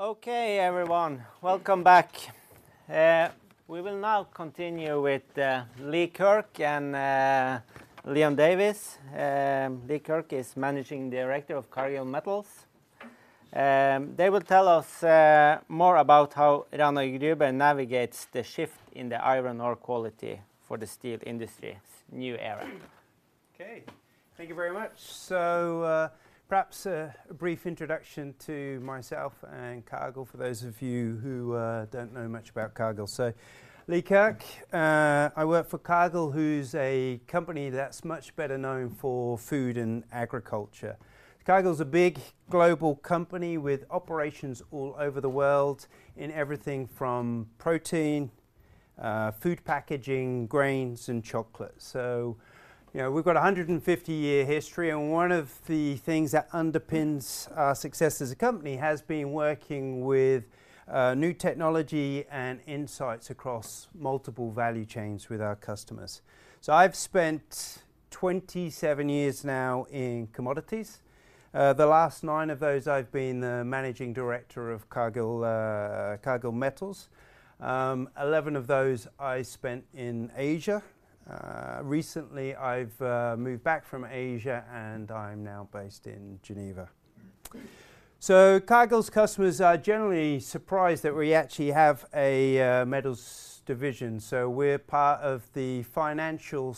Okay, everyone, welcome back. We will now continue with Lee Kirk and Leon Davies. Lee Kirk is Managing Director of Cargill Metals. They will tell us more about how Rana Gruber navigates the shift in the iron ore quality for the steel industry's new era.
Okay, thank you very much. So, perhaps a brief introduction to myself and Cargill for those of you who don't know much about Cargill. So Lee Kirk, I work for Cargill, who's a company that's much better known for food and agriculture. Cargill's a big global company with operations all over the world in everything from protein, food packaging, grains, and chocolate. So, you know, we've got a 150-year history, and one of the things that underpins our success as a company has been working with new technology and insights across multiple value chains with our customers. So I've spent 27 years now in commodities. The last nine of those, I've been the Managing Director of Cargill, Cargill Metals. Eleven of those I spent in Asia. Recently I've moved back from Asia, and I'm now based in Geneva. So Cargill's customers are generally surprised that we actually have a metals division, so we're part of the Financial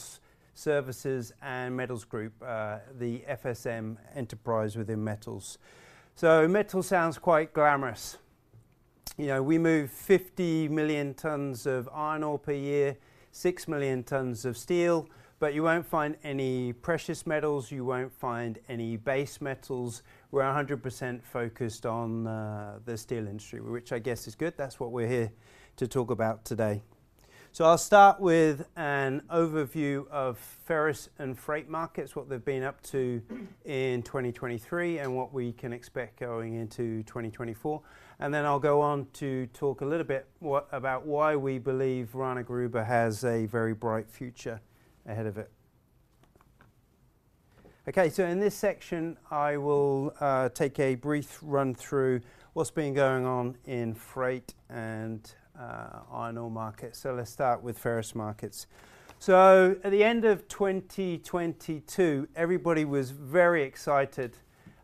Services and Metals Group, the FSM enterprise within metals. So metal sounds quite glamorous. You know, we move 50 million tons of iron ore per year, 6 million tons of steel, but you won't find any precious metals, you won't find any base metals. We're 100% focused on the steel industry, which I guess is good. That's what we're here to talk about today. So I'll start with an overview of ferrous and freight markets, what they've been up to in 2023, and what we can expect going into 2024. And then I'll go on to talk a little bit what about why we believe Rana Gruber has a very bright future ahead of it. Okay, so in this section, I will take a brief run through what's been going on in freight and iron ore markets. So let's start with ferrous markets. So at the end of 2022, everybody was very excited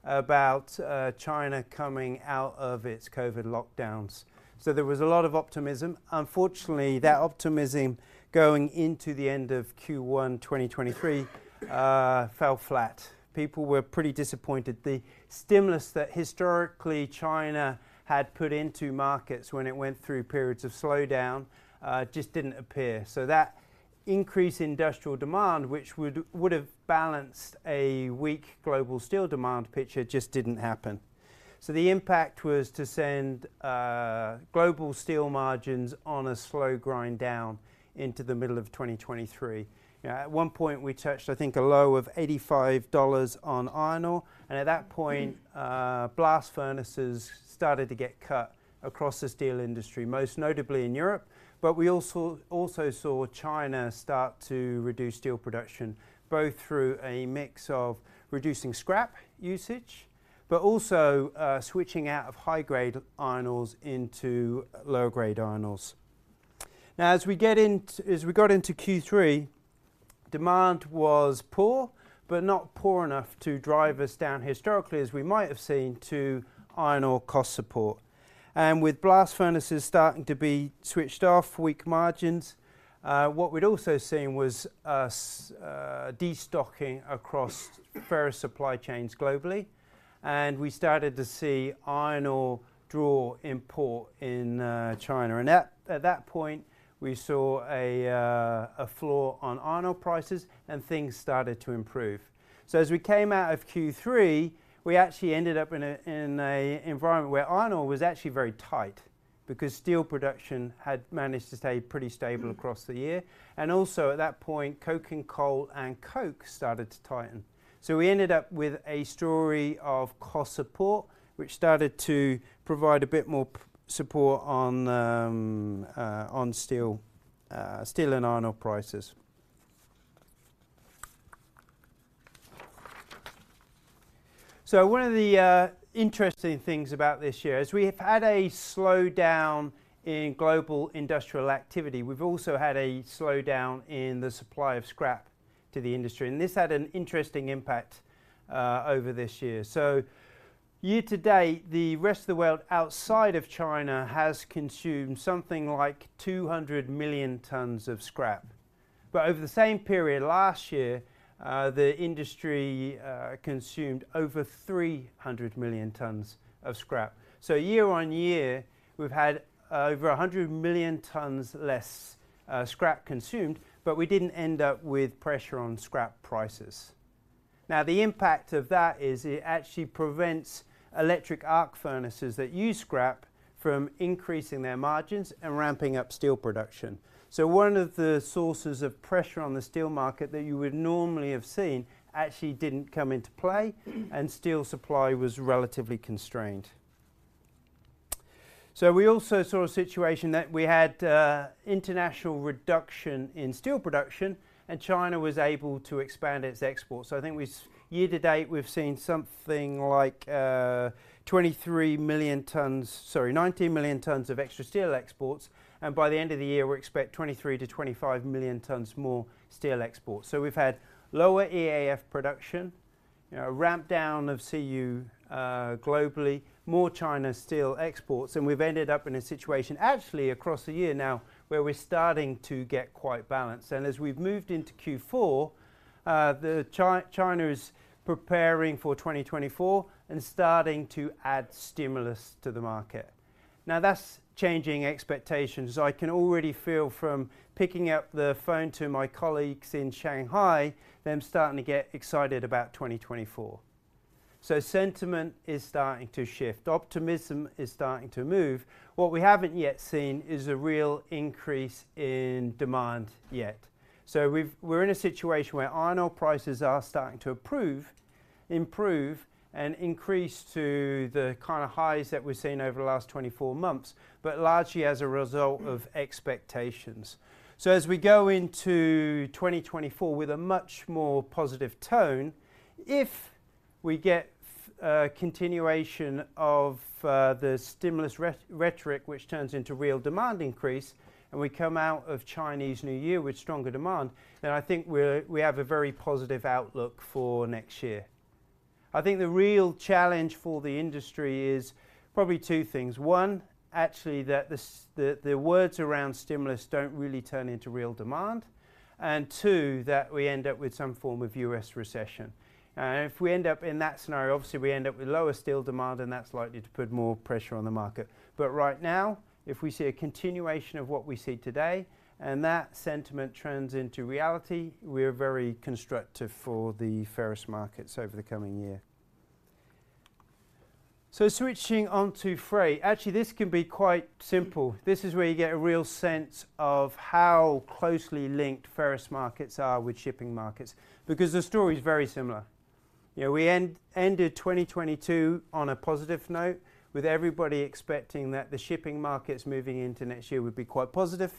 about China coming out of its COVID lockdowns, so there was a lot of optimism. Unfortunately, that optimism going into the end of Q1 2023 fell flat. People were pretty disappointed. The stimulus that historically China had put into markets when it went through periods of slowdown just didn't appear. So that increase in industrial demand, which would have balanced a weak global steel demand picture, just didn't happen. So the impact was to send global steel margins on a slow grind down into the middle of 2023. At one point, we touched, I think, a low of $85 on iron ore, and at that point, blast furnaces started to get cut across the steel industry, most notably in Europe. But we also saw China start to reduce steel production, both through a mix of reducing scrap usage, but also, switching out of high-grade iron ores into lower grade iron ores. Now, as we got into Q3, demand was poor, but not poor enough to drive us down historically, as we might have seen to iron ore cost support. And with blast furnaces starting to be switched off, weak margins, what we'd also seen was a destocking across ferrous supply chains globally, and we started to see iron ore draw in port in China. At that point, we saw a floor on iron ore prices, and things started to improve. So as we came out of Q3, we actually ended up in an environment where iron ore was actually very tight because steel production had managed to stay pretty stable across the year, and also at that point, coking coal and coke started to tighten. So we ended up with a story of cost support, which started to provide a bit more price support on steel and iron ore prices. So one of the interesting things about this year is we have had a slowdown in global industrial activity. We've also had a slowdown in the supply of scrap to the industry, and this had an interesting impact over this year. So year to date, the rest of the world outside of China has consumed something like 200 million tons of scrap. But over the same period last year, the industry consumed over 300 million tons of scrap. So year on year, we've had over 100 million tons less scrap consumed, but we didn't end up with pressure on scrap prices. Now, the impact of that is it actually prevents electric arc furnaces that use scrap from increasing their margins and ramping up steel production. So one of the sources of pressure on the steel market that you would normally have seen actually didn't come into play, and steel supply was relatively constrained. So we also saw a situation that we had international reduction in steel production, and China was able to expand its exports. So I think, year to date, we've seen something like 23 million tons, sorry, 19 million tons of extra steel exports, and by the end of the year, we expect 23 million tons-25 million tons more steel exports. So we've had lower EAF production, you know, ramp down of CU globally, more China steel exports, and we've ended up in a situation actually across the year now where we're starting to get quite balanced. And as we've moved into Q4, China is preparing for 2024 and starting to add stimulus to the market. Now, that's changing expectations, as I can already feel from picking up the phone to my colleagues in Shanghai, they're starting to get excited about 2024. So sentiment is starting to shift. Optimism is starting to move. What we haven't yet seen is a real increase in demand yet. So we're in a situation where iron ore prices are starting to improve and increase to the kind of highs that we've seen over the last 24 months, but largely as a result of expectations. So as we go into 2024 with a much more positive tone, if we get continuation of the stimulus rhetoric, which turns into real demand increase, and we come out of Chinese New Year with stronger demand, then I think we're, we have a very positive outlook for next year. I think the real challenge for the industry is probably two things: one, actually, that the words around stimulus don't really turn into real demand, and two, that we end up with some form of U.S. recession. If we end up in that scenario, obviously, we end up with lower steel demand, and that's likely to put more pressure on the market. But right now, if we see a continuation of what we see today, and that sentiment turns into reality, we're very constructive for the ferrous markets over the coming year. So switching on to freight, actually, this can be quite simple. This is where you get a real sense of how closely linked ferrous markets are with shipping markets, because the story is very similar. You know, we ended 2022 on a positive note, with everybody expecting that the shipping markets moving into next year would be quite positive.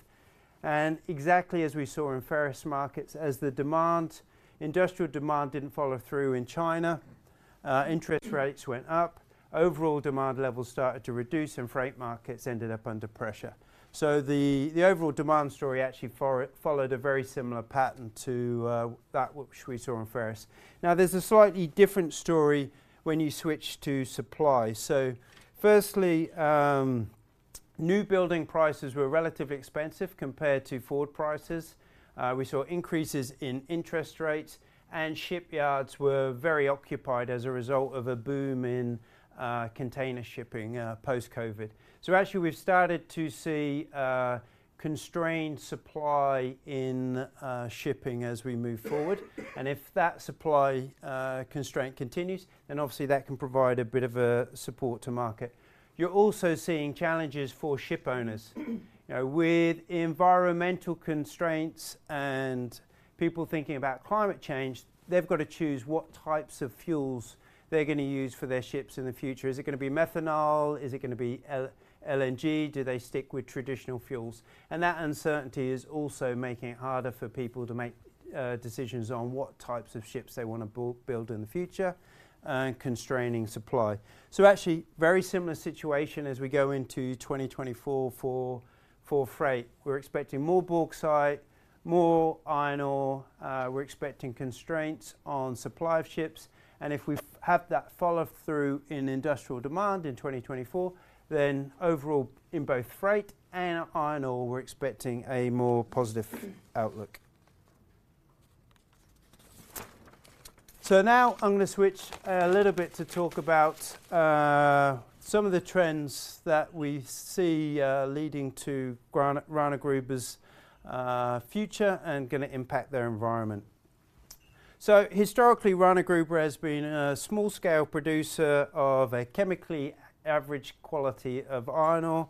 Exactly as we saw in ferrous markets, as the demand, industrial demand didn't follow through in China, interest rates went up, overall demand levels started to reduce, and freight markets ended up under pressure. So the overall demand story actually followed a very similar pattern to that which we saw in ferrous. Now, there's a slightly different story when you switch to supply. So firstly, new building prices were relatively expensive compared to forward prices. We saw increases in interest rates, and shipyards were very occupied as a result of a boom in container shipping post-COVID. So actually, we've started to see constrained supply in shipping as we move forward. And if that supply constraint continues, then obviously that can provide a bit of a support to market. You're also seeing challenges for shipowners. You know, with environmental constraints and people thinking about climate change, they've got to choose what types of fuels they're going to use for their ships in the future. Is it going to be methanol? Is it going to be LNG? Do they stick with traditional fuels? And that uncertainty is also making it harder for people to make decisions on what types of ships they want to build in the future and constraining supply. So actually, very similar situation as we go into 2024 for freight. We're expecting more bauxite, more iron ore. We're expecting constraints on supply of ships, and if we have that follow through in industrial demand in 2024, then overall, in both freight and iron ore, we're expecting a more positive outlook. So now I'm going to switch a little bit to talk about some of the trends that we see leading to Rana Gruber's future and going to impact their environment. So historically, Rana Gruber has been a small-scale producer of a chemically average quality of iron ore,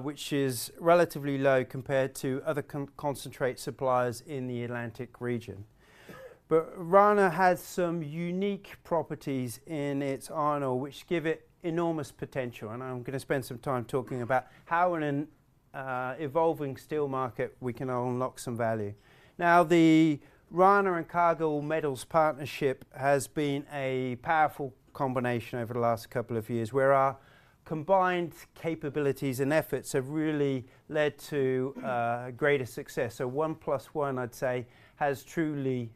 which is relatively low compared to other concentrate suppliers in the Atlantic region. But Rana has some unique properties in its iron ore, which give it enormous potential, and I'm going to spend some time talking about how in an evolving steel market, we can unlock some value. Now, the Rana and Cargill Metals partnership has been a powerful combination over the last couple of years, where our combined capabilities and efforts have really led to greater success. So one plus one, I'd say, has truly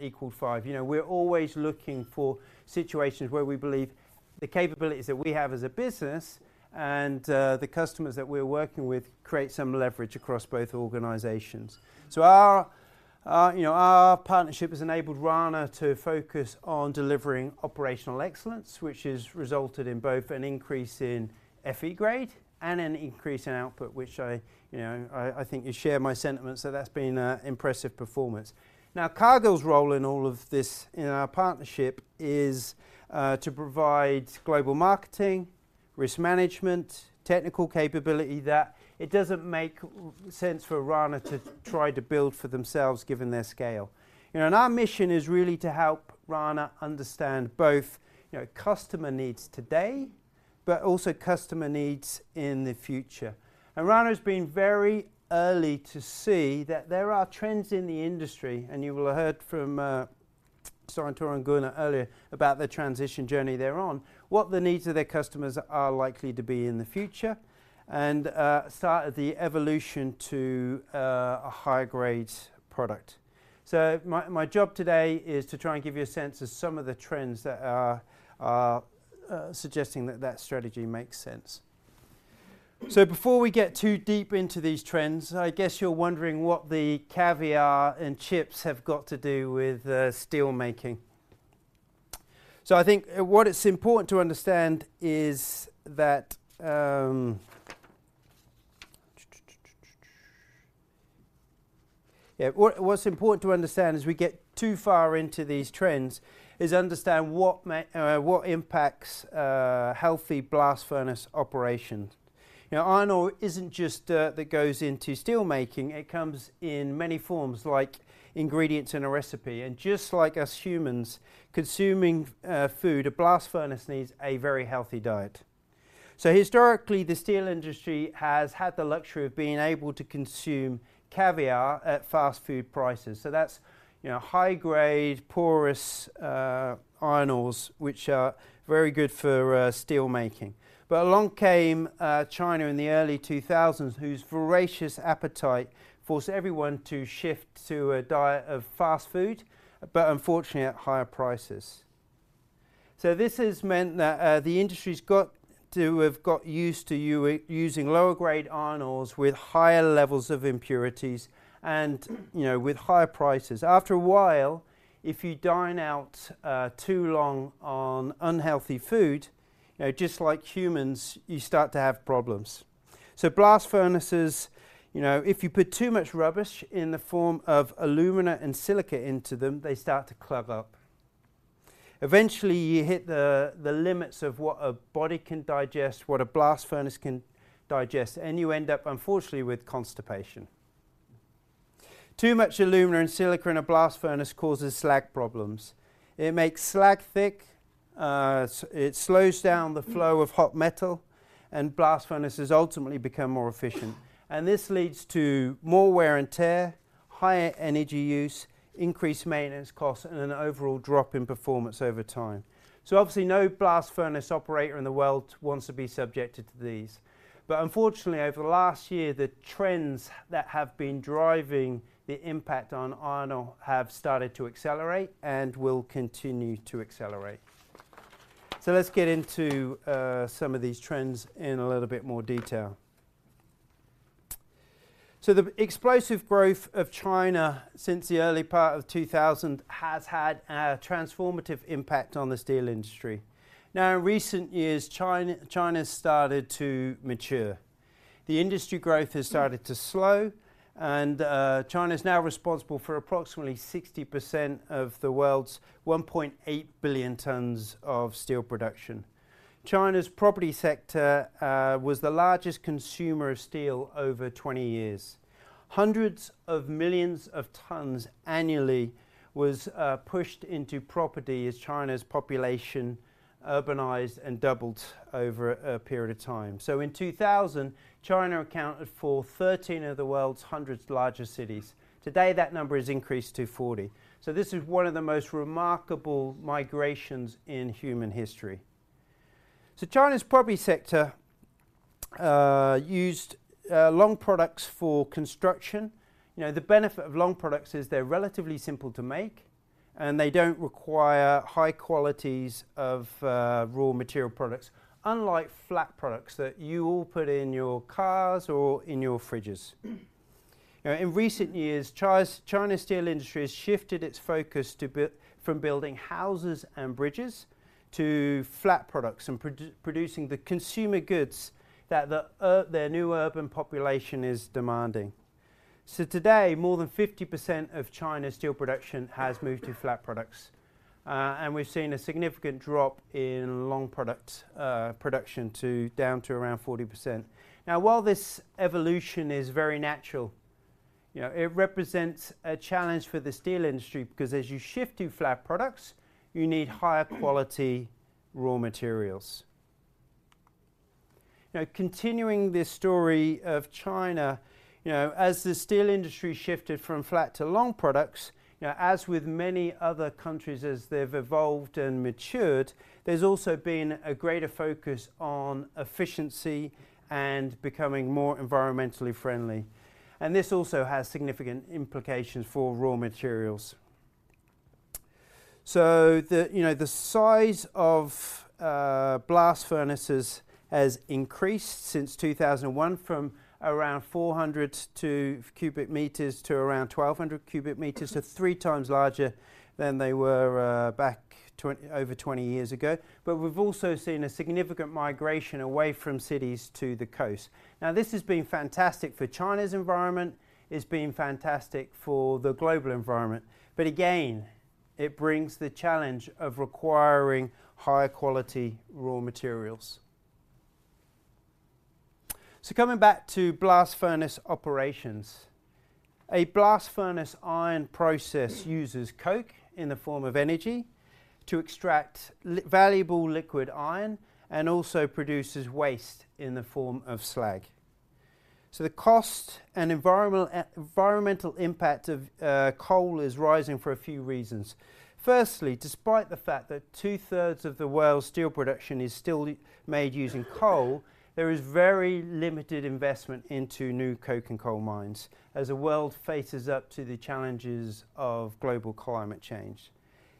equaled five. You know, we're always looking for situations where we believe the capabilities that we have as a business and the customers that we're working with create some leverage across both organizations. So our, you know, our partnership has enabled Rana to focus on delivering operational excellence, which has resulted in both an increase in Fe grade and an increase in output, which I, you know, I think you share my sentiment. So that's been an impressive performance. Now, Cargill's role in all of this in our partnership is to provide global marketing, risk management, technical capability that it doesn't make sense for Rana to try to build for themselves, given their scale. You know, and our mission is really to help Rana understand both, you know, customer needs today, but also customer needs in the future. And Rana has been very early to see that there are trends in the industry, and you will have heard from Stein Tore and Gunnar earlier about the transition journey they're on, what the needs of their customers are likely to be in the future, and start the evolution to a higher grade product. So my job today is to try and give you a sense of some of the trends that are suggesting that that strategy makes sense. So before we get too deep into these trends, I guess you're wondering what the caviar and chips have got to do with steelmaking. So I think what is important to understand is that. Yeah, what's important to understand as we get too far into these trends is understand what may what impacts a healthy blast furnace operation. You know, iron ore isn't just dirt that goes into steelmaking, it comes in many forms, like ingredients in a recipe. Just like us humans consuming food, a blast furnace needs a very healthy diet. So historically, the steel industry has had the luxury of being able to consume caviar at fast food prices. So that's, you know, high grade, porous iron ores, which are very good for steelmaking. But along came China in the early 2000s, whose voracious appetite forced everyone to shift to a diet of fast food, but unfortunately at higher prices. So this has meant that the industry's got to have got used to using lower grade iron ores with higher levels of impurities and, you know, with higher prices. After a while, if you dine out too long on unhealthy food, you know, just like humans, you start to have problems. So blast furnaces, you know, if you put too much rubbish in the form of alumina and silica into them, they start to clog up. Eventually, you hit the limits of what a body can digest, what a blast furnace can digest, and you end up, unfortunately, with constipation. Too much alumina and silica in a blast furnace causes slag problems. It makes slag thick, it slows down the flow of hot metal, and blast furnaces ultimately become more efficient. And this leads to more wear and tear, higher energy use, increased maintenance costs, and an overall drop in performance over time. So obviously, no blast furnace operator in the world wants to be subjected to these. But unfortunately, over the last year, the trends that have been driving the impact on iron ore have started to accelerate and will continue to accelerate. So let's get into some of these trends in a little bit more detail. So the explosive growth of China since the early part of 2000 has had a transformative impact on the steel industry. Now, in recent years, China has started to mature. The industry growth has started to slow, and China is now responsible for approximately 60% of the world's 1.8 billion tons of steel production. China's property sector was the largest consumer of steel over 20 years. Hundreds of millions of tons annually was pushed into property as China's population urbanized and doubled over a period of time. So in 2000, China accounted for 13 of the world's 100 largest cities. Today, that number has increased to 40. So this is one of the most remarkable migrations in human history. So China's property sector used long products for construction. You know, the benefit of long products is they're relatively simple to make, and they don't require high qualities of raw material products, unlike flat products that you all put in your cars or in your fridges. In recent years, China's steel industry has shifted its focus from building houses and bridges to flat products and producing the consumer goods that their new urban population is demanding. So today, more than 50% of China's steel production has moved to flat products, and we've seen a significant drop in long product production down to around 40%. Now, while this evolution is very natural, you know, it represents a challenge for the steel industry, because as you shift to flat products, you need higher quality raw materials. Now, continuing this story of China, you know, as the steel industry shifted from flat to long products, you know, as with many other countries, as they've evolved and matured, there's also been a greater focus on efficiency and becoming more environmentally friendly. And this also has significant implications for raw materials. So the, you know, the size of blast furnaces has increased since 2001 from around 400 cubic meters to around 1,200 cubic meters, so three times larger than they were back over 20 years ago. But we've also seen a significant migration away from cities to the coast. Now, this has been fantastic for China's environment, it's been fantastic for the global environment, but again, it brings the challenge of requiring higher quality raw materials. So coming back to blast furnace operations. A blast furnace iron process uses coke in the form of energy to extract valuable liquid iron and also produces waste in the form of slag. So the cost and environmental impact of coal is rising for a few reasons. Firstly, despite the fact that two-thirds of the world's steel production is still made using coal, there is very limited investment into new coke and coal mines as the world faces up to the challenges of global climate change.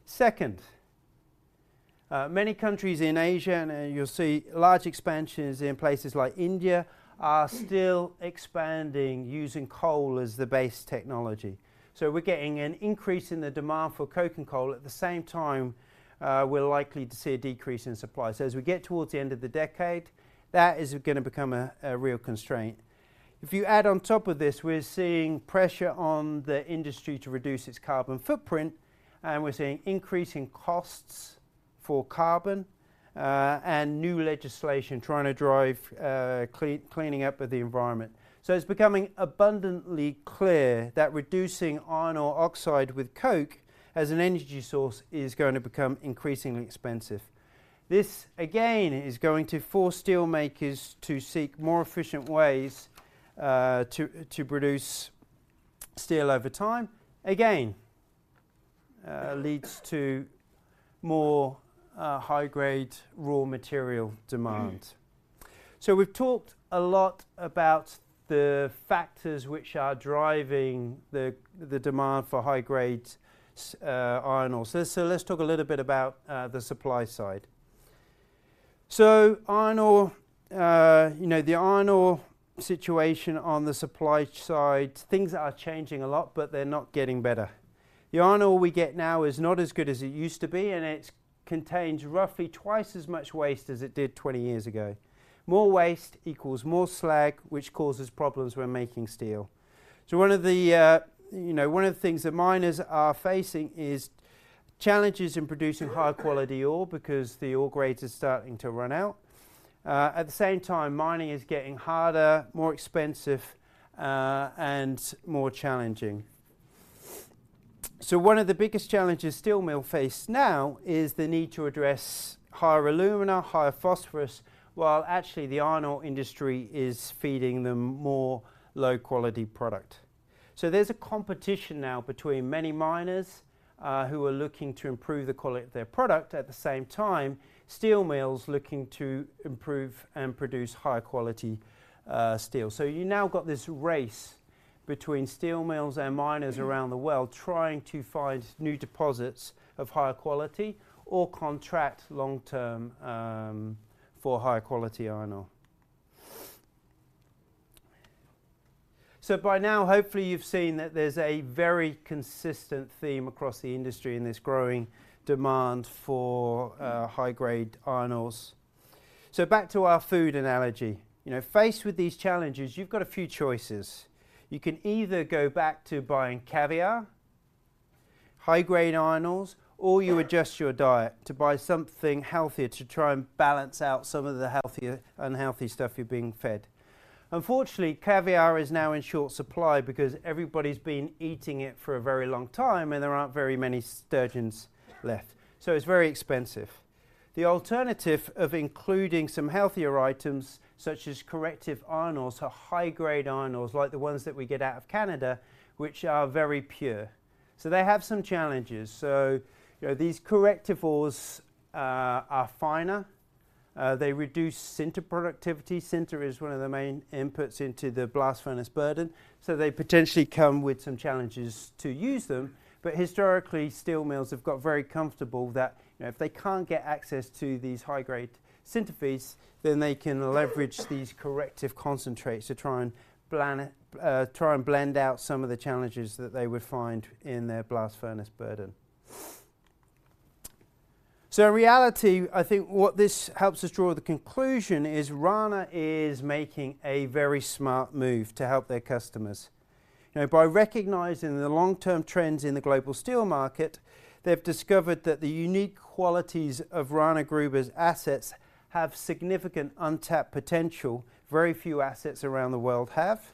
Second, many countries in Asia, and you'll see large expansions in places like India, are still expanding using coal as the base technology. So we're getting an increase in the demand for coke and coal. At the same time, we're likely to see a decrease in supply. So as we get towards the end of the decade, that is gonna become a real constraint. If you add on top of this, we're seeing pressure on the industry to reduce its carbon footprint, and we're seeing increasing costs for carbon, and new legislation trying to drive cleaning up of the environment. So it's becoming abundantly clear that reducing iron ore oxide with coke as an energy source is going to become increasingly expensive. This, again, is going to force steelmakers to seek more efficient ways to produce steel over time. Again, leads to more high-grade raw material demand. So we've talked a lot about the factors which are driving the demand for high-grade iron ore. So let's talk a little bit about the supply side. So iron ore, you know, the iron ore situation on the supply side, things are changing a lot, but they're not getting better. The iron ore we get now is not as good as it used to be, and it contains roughly twice as much waste as it did 20 years ago. More waste equals more slag, which causes problems when making steel. So one of the, you know, one of the things that miners are facing is challenges in producing high-quality ore because the ore grades are starting to run out. At the same time, mining is getting harder, more expensive, and more challenging. So one of the biggest challenges steel mills face now is the need to address higher alumina, higher phosphorus, while actually the iron ore industry is feeding them more low-quality product. So there's a competition now between many miners who are looking to improve the quality of their product, at the same time, steel mills looking to improve and produce higher quality steel. So you've now got this race between steel mills and miners around the world trying to find new deposits of higher quality or contract long-term for higher quality iron ore. So by now, hopefully you've seen that there's a very consistent theme across the industry in this growing demand for high-grade iron ores. So back to our food analogy. You know, faced with these challenges, you've got a few choices. You can either go back to buying caviar, high-grade iron ores, or you adjust your diet to buy something healthier to try and balance out some of the healthier, unhealthy stuff you're being fed. Unfortunately, caviar is now in short supply because everybody's been eating it for a very long time, and there aren't very many sturgeons left, so it's very expensive. The alternative of including some healthier items, such as corrective iron ores or high-grade iron ores, like the ones that we get out of Canada, which are very pure. So they have some challenges. So, you know, these corrective ores are finer, they reduce sinter productivity. Sinter is one of the main inputs into the blast furnace burden, so they potentially come with some challenges to use them. But historically, steel mills have got very comfortable that, you know, if they can't get access to these high-grade sinter feeds, then they can leverage these corrective concentrates to try and blend out some of the challenges that they would find in their blast furnace burden. So in reality, I think what this helps us draw the conclusion is, Rana is making a very smart move to help their customers. You know, by recognizing the long-term trends in the global steel market, they've discovered that the unique qualities of Rana Gruber's assets have significant untapped potential very few assets around the world have.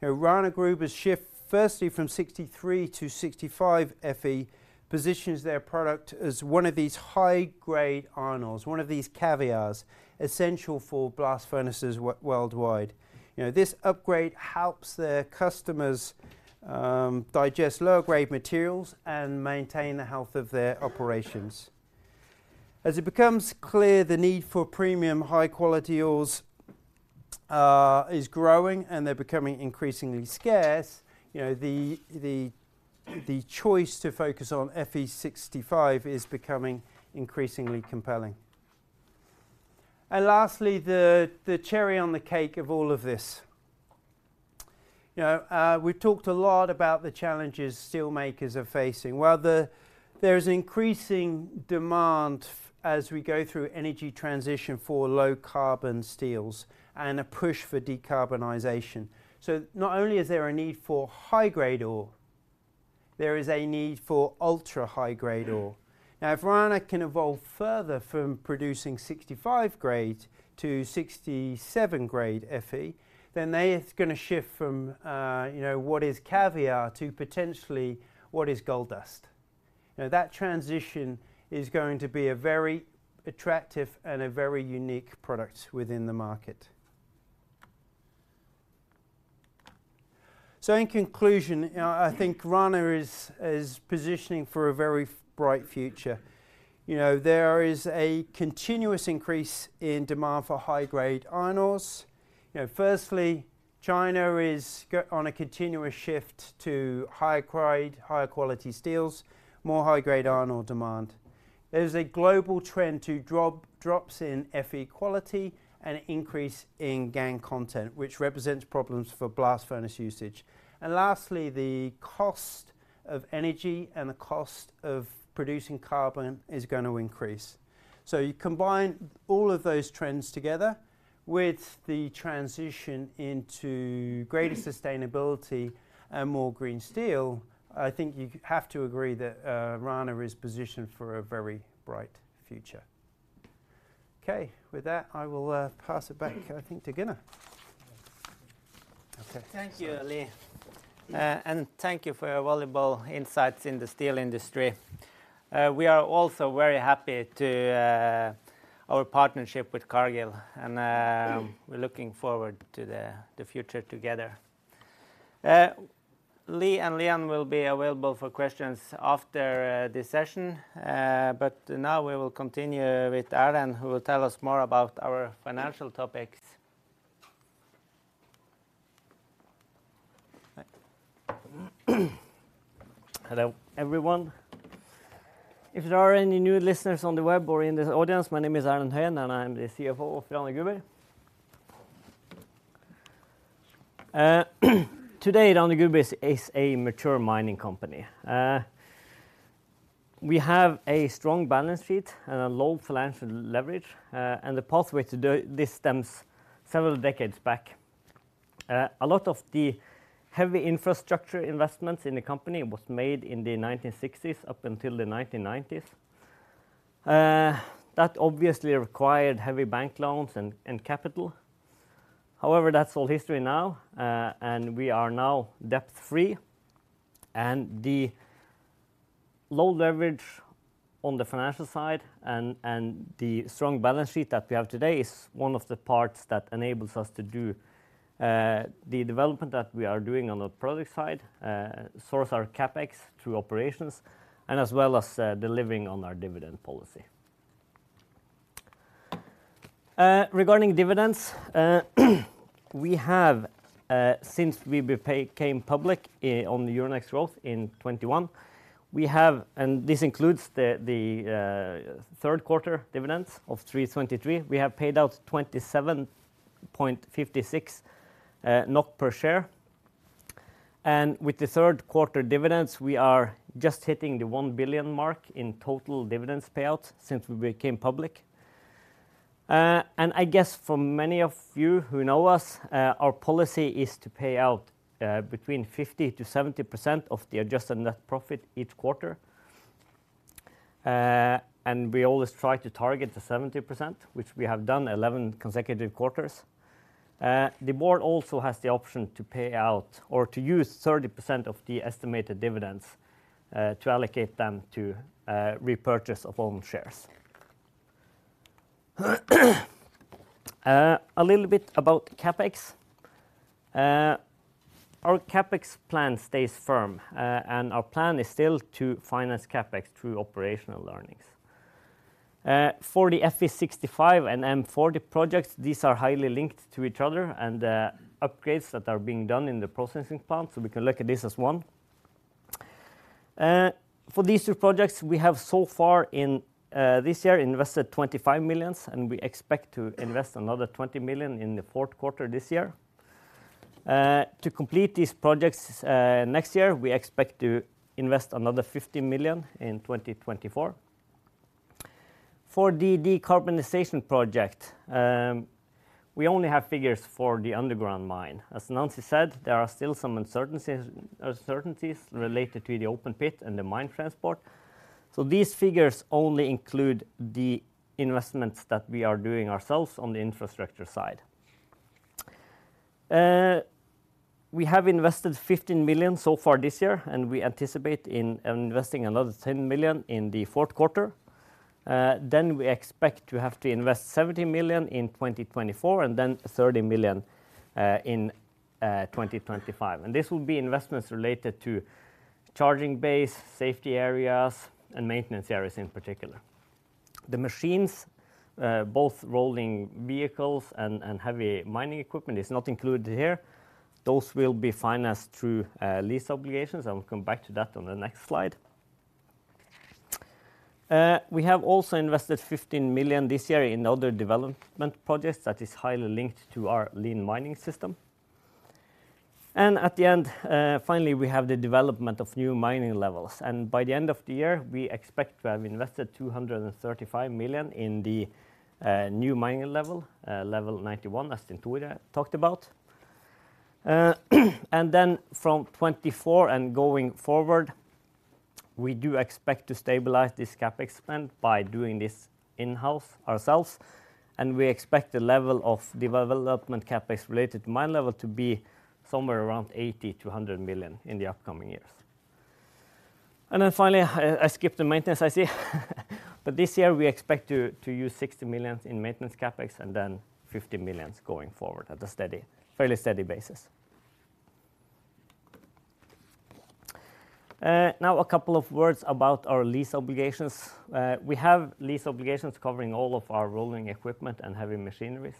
You know, Rana Gruber's shift, firstly from Fe63 to Fe65, positions their product as one of these high-grade iron ores, one of these caviars, essential for blast furnaces worldwide. You know, this upgrade helps their customers digest lower-grade materials and maintain the health of their operations. As it becomes clear, the need for premium, high-quality ores is growing, and they're becoming increasingly scarce, you know, the choice to focus on Fe65 is becoming increasingly compelling. And lastly, the cherry on the cake of all of this. You know, we've talked a lot about the challenges steelmakers are facing. Well, there's increasing demand as we go through energy transition for low-carbon steels and a push for decarbonization. So not only is there a need for high-grade ore, there is a need for ultra-high-grade ore. Now, if Rana can evolve further from producing 65 grade to 67 grade Fe, then it's gonna shift from, you know, what is caviar to potentially what is gold dust. You know, that transition is going to be a very attractive and a very unique product within the market. So in conclusion, I think Rana is positioning for a very bright future. You know, there is a continuous increase in demand for high-grade iron ores. You know, firstly, China is going on a continuous shift to higher grade, higher quality steels, more high-grade iron ore demand. There's a global trend to drops in Fe quality and increase in gangue content, which represents problems for blast furnace usage. And lastly, the cost of energy and the cost of producing carbon is gonna increase. So you combine all of those trends together with the transition into greater sustainability and more green steel, I think you have to agree that Rana is positioned for a very bright future. Okay, with that, I will pass it back, I think, to Gunnar.
Okay. Thank you, Lee. Thank you for your valuable insights in the steel industry. We are also very happy to our partnership with Cargill, and we're looking forward to the future together. Lee and Leon will be available for questions after this session. Now we will continue with Erlend, who will tell us more about our financial topics.
Hello, everyone. If there are any new listeners on the web or in this audience, my name is Erlend Høyen, and I'm the CFO of Rana Gruber. Today, Rana Gruber is a mature mining company. We have a strong balance sheet and a low financial leverage, and the pathway to do this stems several decades back. A lot of the heavy infrastructure investments in the company was made in the 1960s up until the 1990s. That obviously required heavy bank loans and capital. However, that's all history now, and we are now debt-free. The low leverage on the financial side and the strong balance sheet that we have today is one of the parts that enables us to do the development that we are doing on the product side, source our CapEx through operations, as well as delivering on our dividend policy. Regarding dividends, we have, since we became public on the Euronext Growth in 2021, we have... This includes the third quarter dividends of 2023. We have paid out 27.56 NOK per share. And with the third quarter dividends, we are just hitting the 1 billion mark in total dividends payouts since we became public. And I guess for many of you who know us, our policy is to pay out between 50%-70% of the adjusted net profit each quarter. And we always try to target the 70%, which we have done 11 consecutive quarters. The board also has the option to pay out or to use 30% of the estimated dividends to allocate them to repurchase of own shares. A little bit about CapEx. Our CapEx plan stays firm, and our plan is still to finance CapEx through operational earnings. For the Fe65 and M40 projects, these are highly linked to each other and upgrades that are being done in the processing plant, so we can look at this as one. For these two projects, we have so far in this year invested 25 million, and we expect to invest another 20 million in the fourth quarter this year. To complete these projects, next year, we expect to invest another 50 million in 2024. For the decarbonization project, we only have figures for the underground mine. As Nancy said, there are still some uncertainties, uncertainties related to the open pit and the mine transport. So these figures only include the investments that we are doing ourselves on the infrastructure side. We have invested 15 million so far this year, and we anticipate in investing another 10 million in the fourth quarter. Then we expect to have to invest 70 million in 2024 and then 30 million in 2025, and this will be investments related to charging base, safety areas, and maintenance areas in particular. The machines, both rolling vehicles and heavy mining equipment, is not included here. Those will be financed through lease obligations, and we'll come back to that on the next slide. We have also invested 15 million this year in other development projects that is highly linked to our lean mining system. And at the end, finally, we have the development of new mining levels, and by the end of the year, we expect to have invested 235 million in the new mining level, level 91, as Stein Tore talked about. And then from 2024 and going forward, we do expect to stabilize this CapEx spend by doing this in-house ourselves, and we expect the level of development CapEx related to mine level to be somewhere around 80 million-100 million in the upcoming years. And then finally, I skipped the maintenance, I see. But this year, we expect to use 60 million in maintenance CapEx, and then 50 million going forward at a steady, fairly steady basis. Now a couple of words about our lease obligations. We have lease obligations covering all of our rolling equipment and heavy machinery.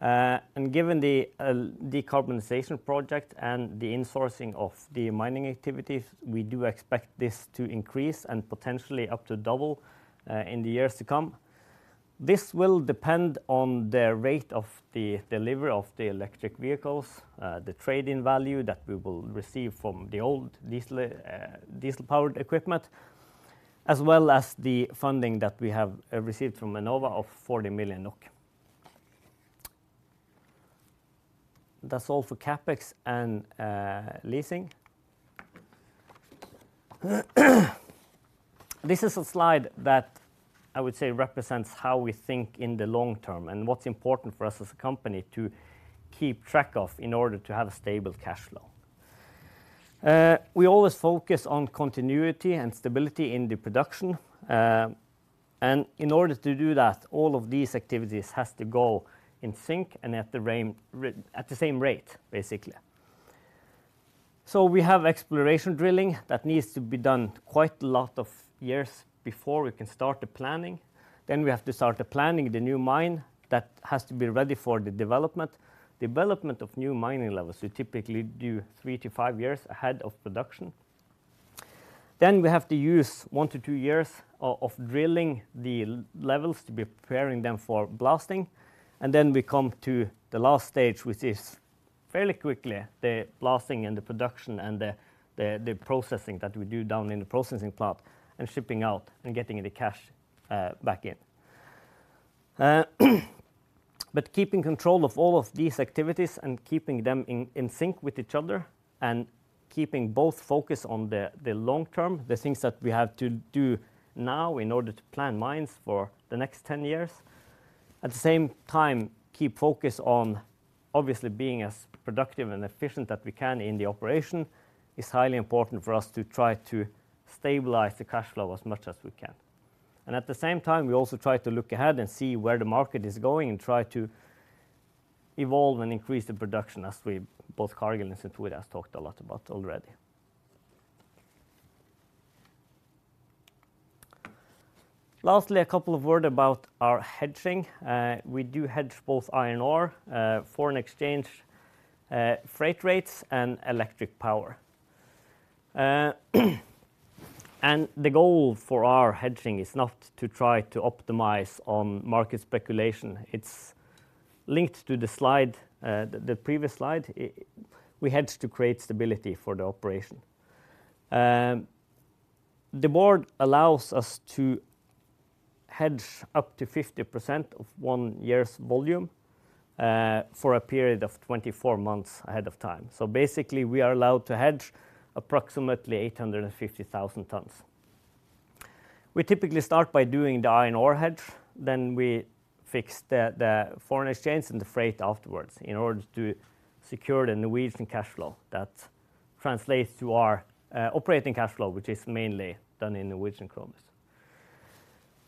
And given the decarbonization project and the insourcing of the mining activities, we do expect this to increase and potentially up to double in the years to come. This will depend on the rate of the delivery of the electric vehicles, the trade-in value that we will receive from the old diesel, diesel-powered equipment, as well as the funding that we have received from Enova of 40 million NOK. That's all for CapEx and leasing. This is a slide that I would say represents how we think in the long term, and what's important for us as a company to keep track of in order to have a stable cash flow. We always focus on continuity and stability in the production, and in order to do that, all of these activities has to go in sync and at the same rate, basically. So we have exploration drilling that needs to be done quite a lot of years before we can start the planning. Then we have to start the planning the new mine that has to be ready for the development. Development of new mining levels, we typically do three to five years ahead of production. Then we have to use one to two years of drilling the levels to be preparing them for blasting. And then we come to the last stage, which is fairly quickly, the blasting and the production and the processing that we do down in the processing plant, and shipping out and getting the cash back in. But keeping control of all of these activities and keeping them in sync with each other, and keeping both focus on the long term, the things that we have to do now in order to plan mines for the next 10 years. At the same time, keep focus on obviously being as productive and efficient that we can in the operation, is highly important for us to try to stabilize the cash flow as much as we can. And at the same time, we also try to look ahead and see where the market is going and try to evolve and increase the production, as we, both Cargill and Stein Tore talked a lot about already. Lastly, a couple of word about our hedging. We do hedge both iron ore, foreign exchange, freight rates, and electric power. And the goal for our hedging is not to try to optimize on market speculation. It's linked to the slide, the previous slide. We hedge to create stability for the operation. The board allows us to hedge up to 50% of one year's volume, for a period of 24 months ahead of time. So basically, we are allowed to hedge approximately 850,000 tons. We typically start by doing the iron ore hedge, then we fix the foreign exchange and the freight afterwards in order to secure the Norwegian cash flow. That translates to our operating cash flow, which is mainly done in Norwegian krone.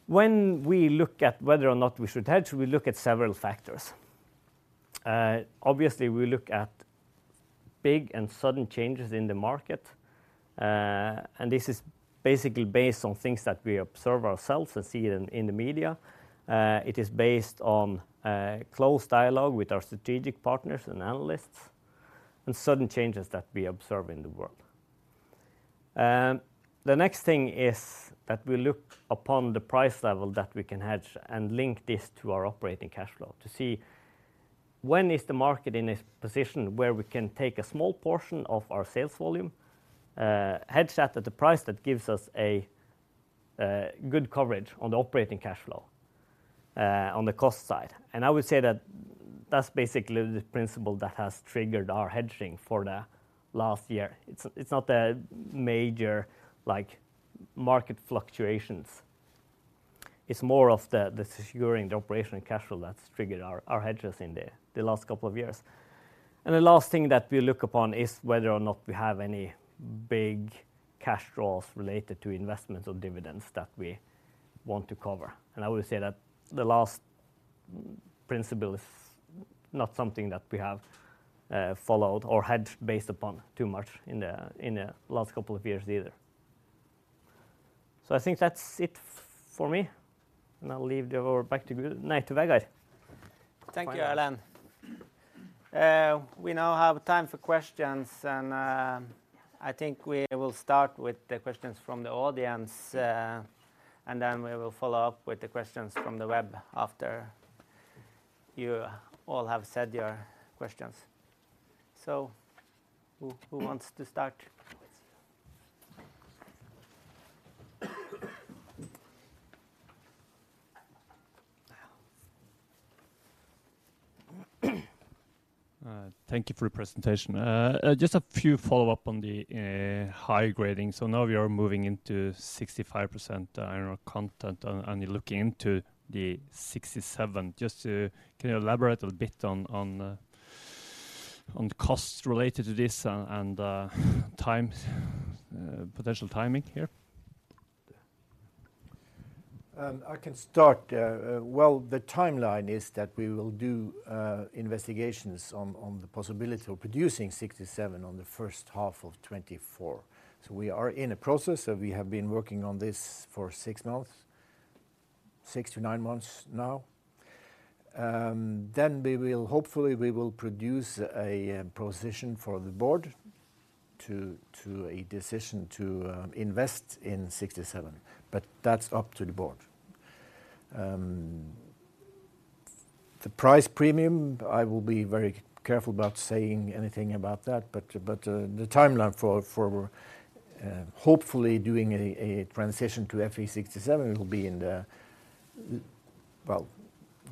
When we look at whether or not we should hedge, we look at several factors. Obviously, we look at big and sudden changes in the market, and this is basically based on things that we observe ourselves and see in the media. It is based on close dialogue with our strategic partners and analysts, and sudden changes that we observe in the world. The next thing is that we look upon the price level that we can hedge and link this to our operating cash flow, to see when is the market in a position where we can take a small portion of our sales volume, hedge that at the price that gives us a good coverage on the operating cash flow, on the cost side. I would say that that's basically the principle that has triggered our hedging for the last year. It's not a major, like, market fluctuations. It's more of the securing the operational cash flow that's triggered our hedges in the last couple of years. The last thing that we look upon is whether or not we have any big cash draws related to investments or dividends that we want to cover. I would say that the last principle is not something that we have followed or hedged based upon too much in the last couple of years either. So I think that's it for me, and I'll leave the floor back to you, Vegard.
Thank you, Erlend. We now have time for questions, and I think we will start with the questions from the audience, and then we will follow up with the questions from the web after you all have said your questions. So who, who wants to start?
Thank you for the presentation. Just a few follow-up on the high grading. So now we are moving into 65% iron ore content, and you're looking into the 67. Just can you elaborate a little bit on on the costs related to this, and times potential timing here?
I can start. Well, the timeline is that we will do investigations on the possibility of producing 67 on the first half of 2024. So we are in a process, and we have been working on this for six months, 6-9 months now. Then we will hopefully produce a proposition for the board to a decision to invest in 67, but that's up to the board. The price premium, I will be very careful about saying anything about that, but the timeline for hopefully doing a transition to Fe67 will be in the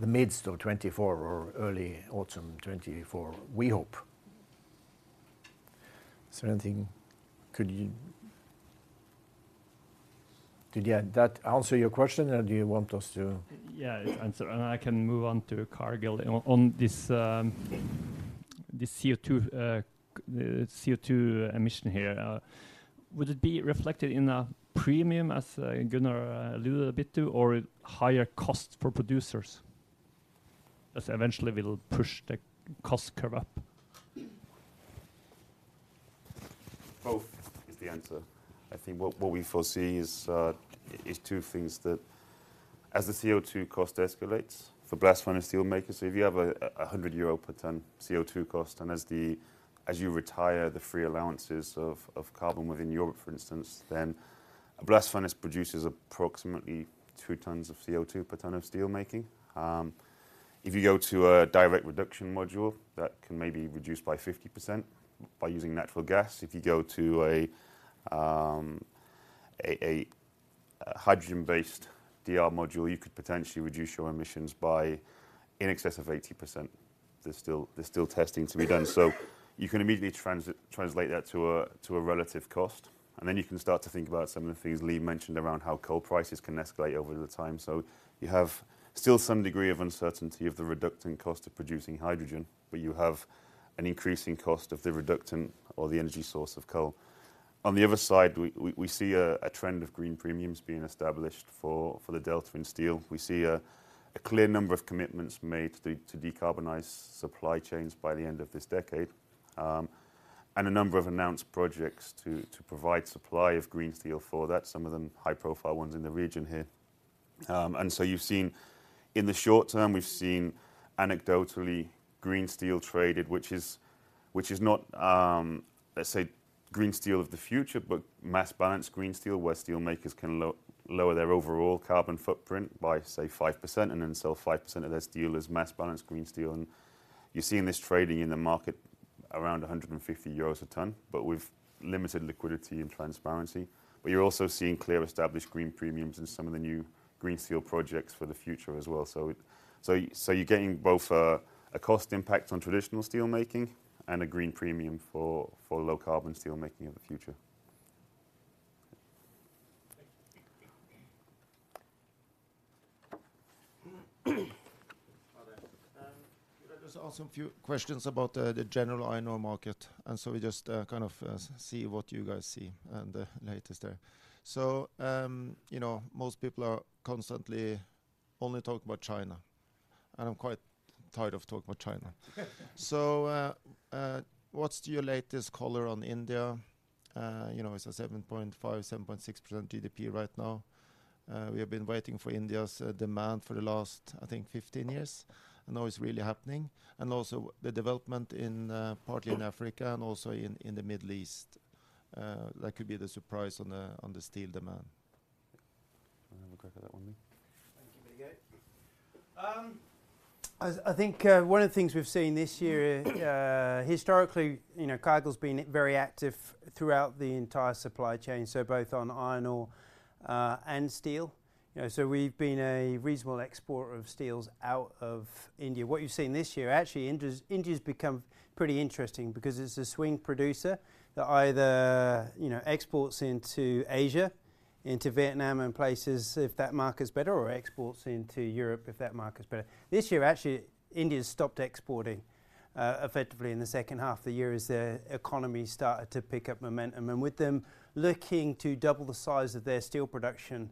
midst of 2024 or early autumn 2024, we hope. Is there anything? Could you? Did, yeah, that answer your question, or do you want us to?
Yeah, to answer, and I can move on to Cargill on this CO2 emission here. Would it be reflected in a premium, as Gunnar alluded a bit to, or higher cost for producers? As eventually, it will push the cost curve up.
Both is the answer. I think what, what we foresee is two things, that as the CO2 cost escalates for blast furnace steel makers, so if you have a 100 euro per ton CO2 cost, and as you retire the free allowances of carbon within Europe, for instance, then a blast furnace produces approximately two tons of CO2 per ton of steelmaking. If you go to a direct reduction module, that can maybe reduce by 50% by using natural gas. If you go to a hydrogen-based DR module, you could potentially reduce your emissions by in excess of 80%. There's still testing to be done. So you can immediately translate that to a relative cost, and then you can start to think about some of the things Lee mentioned around how coal prices can escalate over time. So you have still some degree of uncertainty of the reductant cost of producing hydrogen, but you have an increasing cost of the reductant or the energy source of coal. On the other side, we see a trend of green premiums being established for the delta in steel. We see a clear number of commitments made to decarbonize supply chains by the end of this decade, and a number of announced projects to provide supply of green steel for that, some of them high-profile ones in the region here. And so you've seen... In the short term, we've seen anecdotally green steel traded, which is not, let's say, green steel of the future, but mass balance green steel, where steelmakers can lower their overall carbon footprint by, say, 5% and then sell 5% of their steel as mass balance green steel, and you're seeing this trading in the market around 150 euros a ton, but with limited liquidity and transparency. But you're also seeing clear established green premiums in some of the new green steel projects for the future as well. So you're getting both a cost impact on traditional steelmaking and a green premium for low-carbon steelmaking of the future.
Thank you. Hi there. Let us ask a few questions about the general iron ore market, and so we just kind of see what you guys see and latest there. So, you know, most people are constantly only talking about China, and I'm quite tired of talking about China. So, what's your latest color on India? You know, it's a 7.5%-7.6% GDP right now. We have been waiting for India's demand for the last, I think, 15 years, and now it's really happening. And also, the development in partly in Africa and also in the Middle East. That could be the surprise on the steel demand.
Wanna have a crack at that one, Lee?
Thank you. Miguel, I think one of the things we've seen this year, historically, you know, Cargill's been very active throughout the entire supply chain, so both on iron ore and steel. You know, so we've been a reasonable exporter of steels out of India. What you've seen this year, actually, India's become pretty interesting because it's a swing producer that either, you know, exports into Asia, into Vietnam and places, if that market is better, or exports into Europe, if that market is better. This year, actually, India's stopped exporting effectively in the second half of the year as their economy started to pick up momentum. And with them looking to double the size of their steel production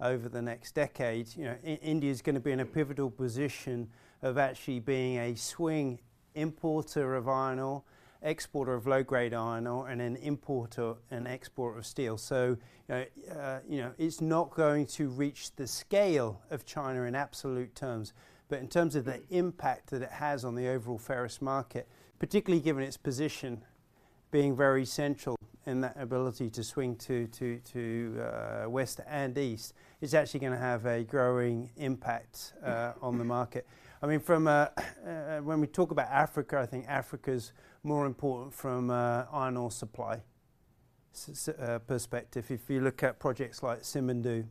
over the next decade, you know, India's gonna be in a pivotal position of actually being a swing importer of iron ore, exporter of low-grade iron ore, and an importer and exporter of steel. So, you know, it's not going to reach the scale of China in absolute terms, but in terms of the impact that it has on the overall ferrous market, particularly given its position being very central in that ability to swing to west and east, it's actually gonna have a growing impact on the market. I mean, from a... When we talk about Africa, I think Africa's more important from iron ore supply. perspective, if you look at projects like Simandou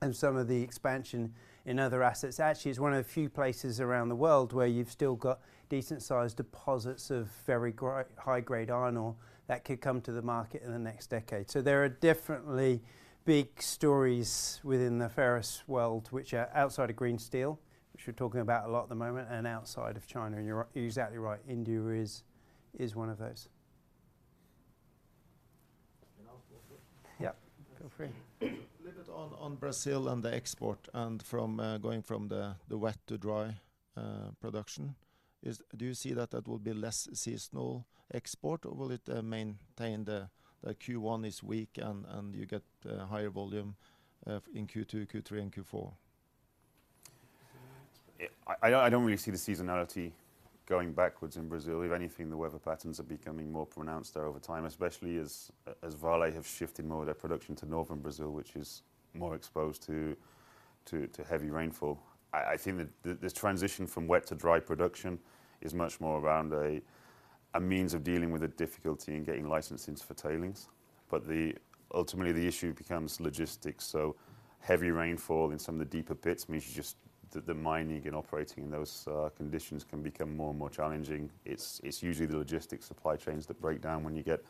and some of the expansion in other assets, actually it's one of the few places around the world where you've still got decent sized deposits of very high-grade iron ore that could come to the market in the next decade. So there are definitely big stories within the ferrous world, which are outside of green steel, which we're talking about a lot at the moment, and outside of China, and you're exactly right, India is one of those.
Can I ask a question?
Yeah, go for it.
A little bit on Brazil and the export and from going from the wet to dry production. Is— do you see that that will be less seasonal export, or will it maintain the Q1 is weak and you get higher volume in Q2, Q3, and Q4?
Yeah, I don't really see the seasonality going backwards in Brazil. If anything, the weather patterns are becoming more pronounced there over time, especially as Vale have shifted more of their production to northern Brazil, which is more exposed to heavy rainfall. I think that this transition from wet to dry production is much more around a means of dealing with the difficulty in getting licenses for tailings, but ultimately, the issue becomes logistics. So heavy rainfall in some of the deeper pits means the mining and operating in those conditions can become more and more challenging. It's usually the logistics supply chains that break down when you get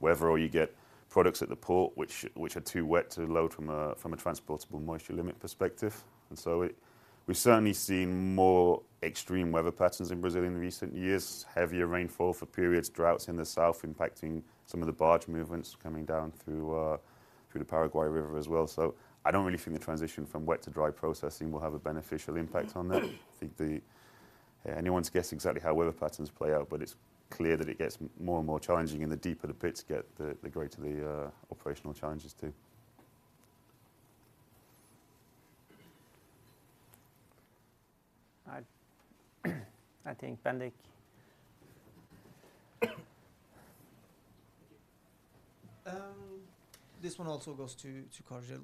weather or you get products at the port, which are too wet to load from a transportable moisture limit perspective. We've certainly seen more extreme weather patterns in Brazil in recent years, heavier rainfall for periods, droughts in the south impacting some of the barge movements coming down through the Paraguay River as well. I don't really think the transition from wet to dry processing will have a beneficial impact on that. I think it's anyone's guess exactly how weather patterns play out, but it's clear that it gets more and more challenging, and the deeper the pits get, the greater the operational challenges, too.
I think Bendik.
Thank you. This one also goes to Cargill.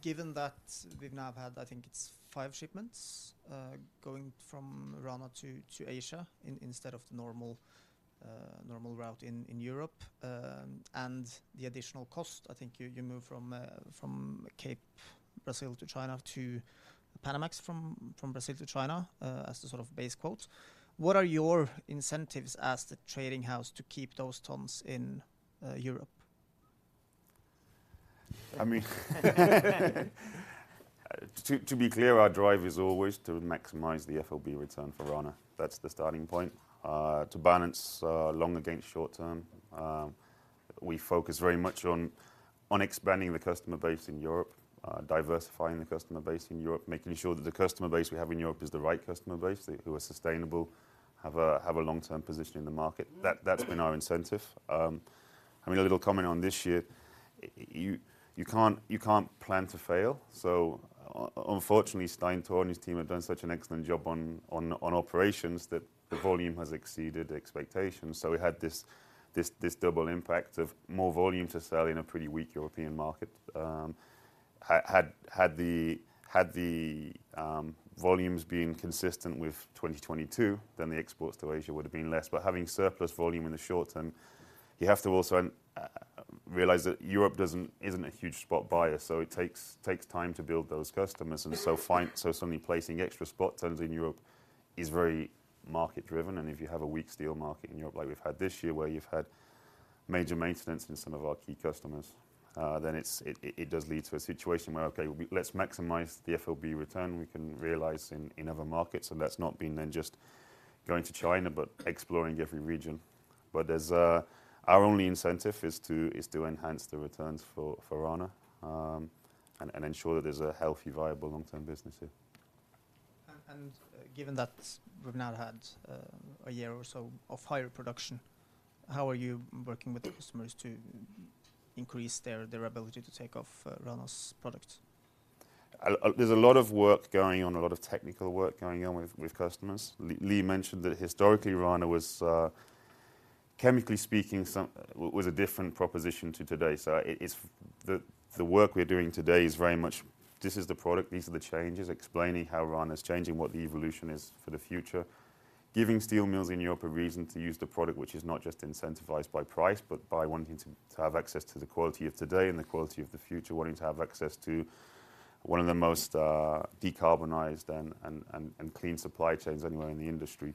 Given that we've now had, I think it's five shipments, going from Rana to Asia, instead of the normal route in Europe, and the additional cost, I think you moved from Cape Brazil to China to Panamax from Brazil to China, as the sort of base quote. What are your incentives as the trading house to keep those tons in Europe?
I mean, to be clear, our drive is always to maximize the FOB return for Rana. That's the starting point. To balance long against short term, we focus very much on expanding the customer base in Europe, diversifying the customer base in Europe, making sure that the customer base we have in Europe is the right customer base, that who are sustainable, have a long-term position in the market. That's been our incentive. I mean, a little comment on this year, you can't plan to fail, so unfortunately, Stein Tore and his team have done such an excellent job on operations that the volume has exceeded expectations. So we had this double impact of more volume to sell in a pretty weak European market. Had the volumes being consistent with 2022, then the exports to Asia would have been less. But having surplus volume in the short term, you have to also realize that Europe isn't a huge spot buyer, so it takes time to build those customers. And so suddenly placing extra spot tons in Europe is very market driven, and if you have a weak steel market in Europe like we've had this year, where you've had major maintenance in some of our key customers, then it does lead to a situation where, okay, let's maximize the FOB return we can realize in other markets, and that's not been then just going to China, but exploring every region. But there's a... Our only incentive is to enhance the returns for Rana, and ensure that there's a healthy, viable long-term business here.
Given that we've now had a year or so of higher production, how are you working with the customers to increase their, their ability to take off Rana's product?
There's a lot of work going on, a lot of technical work going on with customers. Lee mentioned that historically, Rana was, chemically speaking, a different proposition to today. So it's the work we're doing today is very much, "This is the product, these are the changes," explaining how Rana is changing, what the evolution is for the future. Giving steel mills in Europe a reason to use the product, which is not just incentivized by price, but by wanting to have access to the quality of today and the quality of the future, wanting to have access to one of the most decarbonized and clean supply chains anywhere in the industry.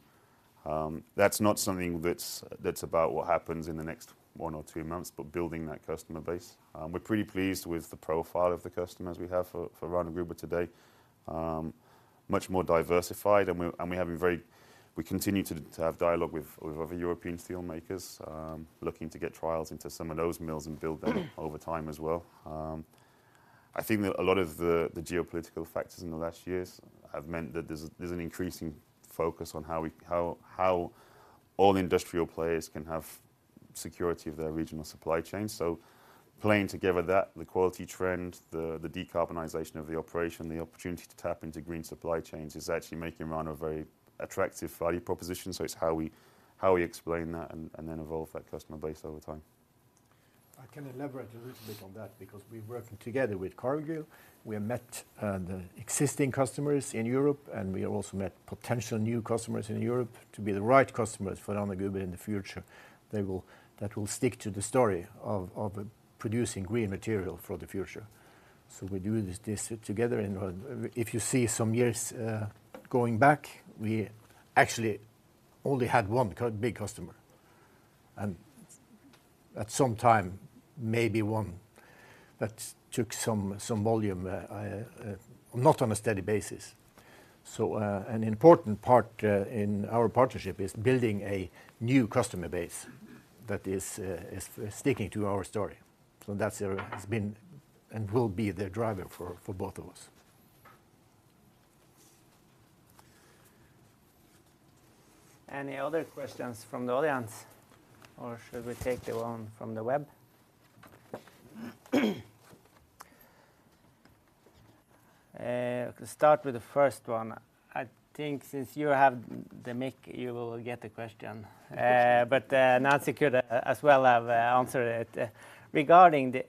That's not something that's about what happens in the next one or two months, but building that customer base. We're pretty pleased with the profile of the customers we have for Rana Gruber today. Much more diversified, and we have a very... We continue to have dialogue with other European steel makers, looking to get trials into some of those mills and build them over time as well. I think that a lot of the geopolitical factors in the last years have meant that there's an increasing focus on how all industrial players can have security of their regional supply chain. So playing together that, the quality trend, the decarbonization of the operation, the opportunity to tap into green supply chains is actually making Rana a very attractive value proposition. So it's how we explain that and then evolve that customer base over time.
I can elaborate a little bit on that because we're working together with Cargill. We have met the existing customers in Europe, and we have also met potential new customers in Europe to be the right customers for Rana Gruber in the future. They will, that will stick to the story of producing green material for the future. So we do this together, and if you see some years going back, we actually only had one big customer, and at some time, maybe one that took some volume, I not on a steady basis. So an important part in our partnership is building a new customer base that is sticking to our story. So that's has been and will be the driver for both of us.
Any other questions from the audience, or should we take the one from the web? Let's start with the first one. I think since you have the mic, you will get the question. But Nancy could as well have answered it. Regarding the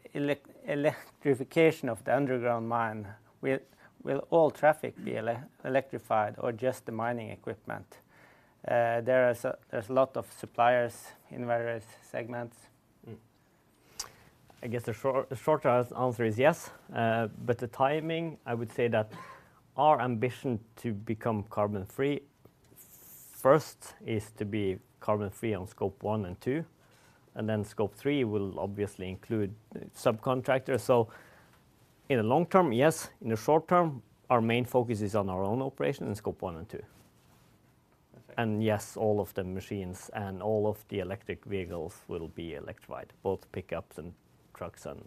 electrification of the underground mine, will all traffic be electrified or just the mining equipment? There's a lot of suppliers in various segments.
I guess the short answer is yes. But the timing, I would say that our ambition to become carbon-free first is to be carbon-free on Scope 1 and 2, and then Scope 3 will obviously include subcontractors. So in the long term, yes. In the short term, our main focus is on our own operation in Scope 1 and 2. And yes, all of the machines and all of the electric vehicles will be electrified, both pickups and trucks and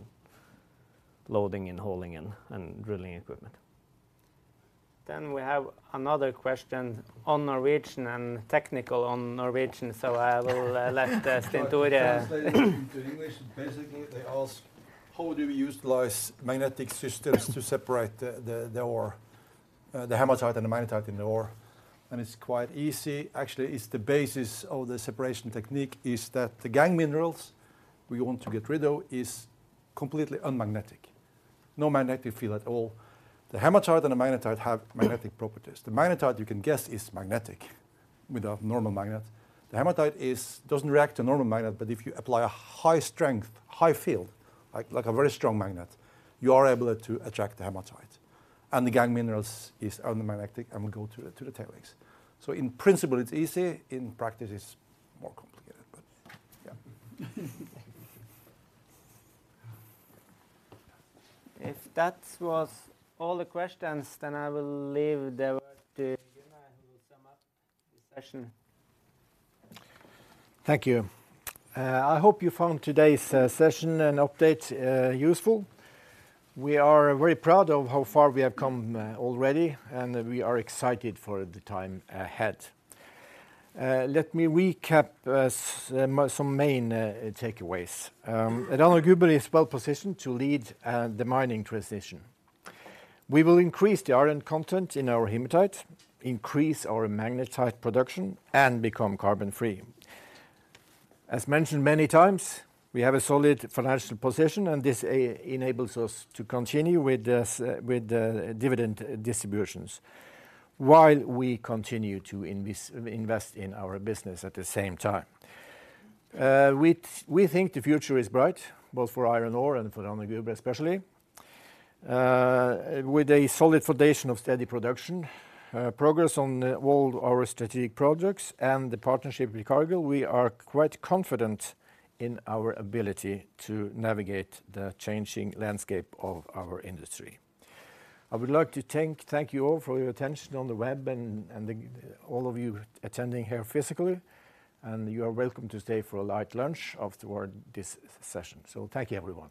loading and hauling and drilling equipment.
Then we have another question on Norwegian and technical on Norwegian, so I will let Stein Tore take it.
I will translate it into English. Basically, they ask, how do we utilize magnetic systems to separate the ore, the hematite and the magnetite in the ore? And it's quite easy. Actually, it's the basis of the separation technique is that the gangue minerals we want to get rid of is completely unmagnetic. No magnetic field at all. The hematite and the magnetite have magnetic properties. The magnetite, you can guess, is magnetic with a normal magnet. The hematite doesn't react to normal magnet, but if you apply a high strength, high field, like, like a very strong magnet, you are able to attract the hematite, and the gangue minerals is unmagnetic and will go to the tailings. So in principle, it's easy. In practice, it's more complicated, but yeah.
If that was all the questions, then I will leave the word to Gunnar, who will sum up the session.
Thank you. I hope you found today's session and update useful. We are very proud of how far we have come already, and we are excited for the time ahead. Let me recap some main takeaways. Rana Gruber is well-positioned to lead the mining transition. We will increase the iron content in our hematite, increase our magnetite production, and become carbon-free. As mentioned many times, we have a solid financial position, and this enables us to continue with dividend distributions while we continue to invest in our business at the same time. We think the future is bright, both for iron ore and for Rana Gruber especially. With a solid foundation of steady production, progress on all our strategic projects, and the partnership with Cargill, we are quite confident in our ability to navigate the changing landscape of our industry. I would like to thank you all for your attention on the web and all of you attending here physically, and you are welcome to stay for a light lunch afterward this session. So thank you, everyone.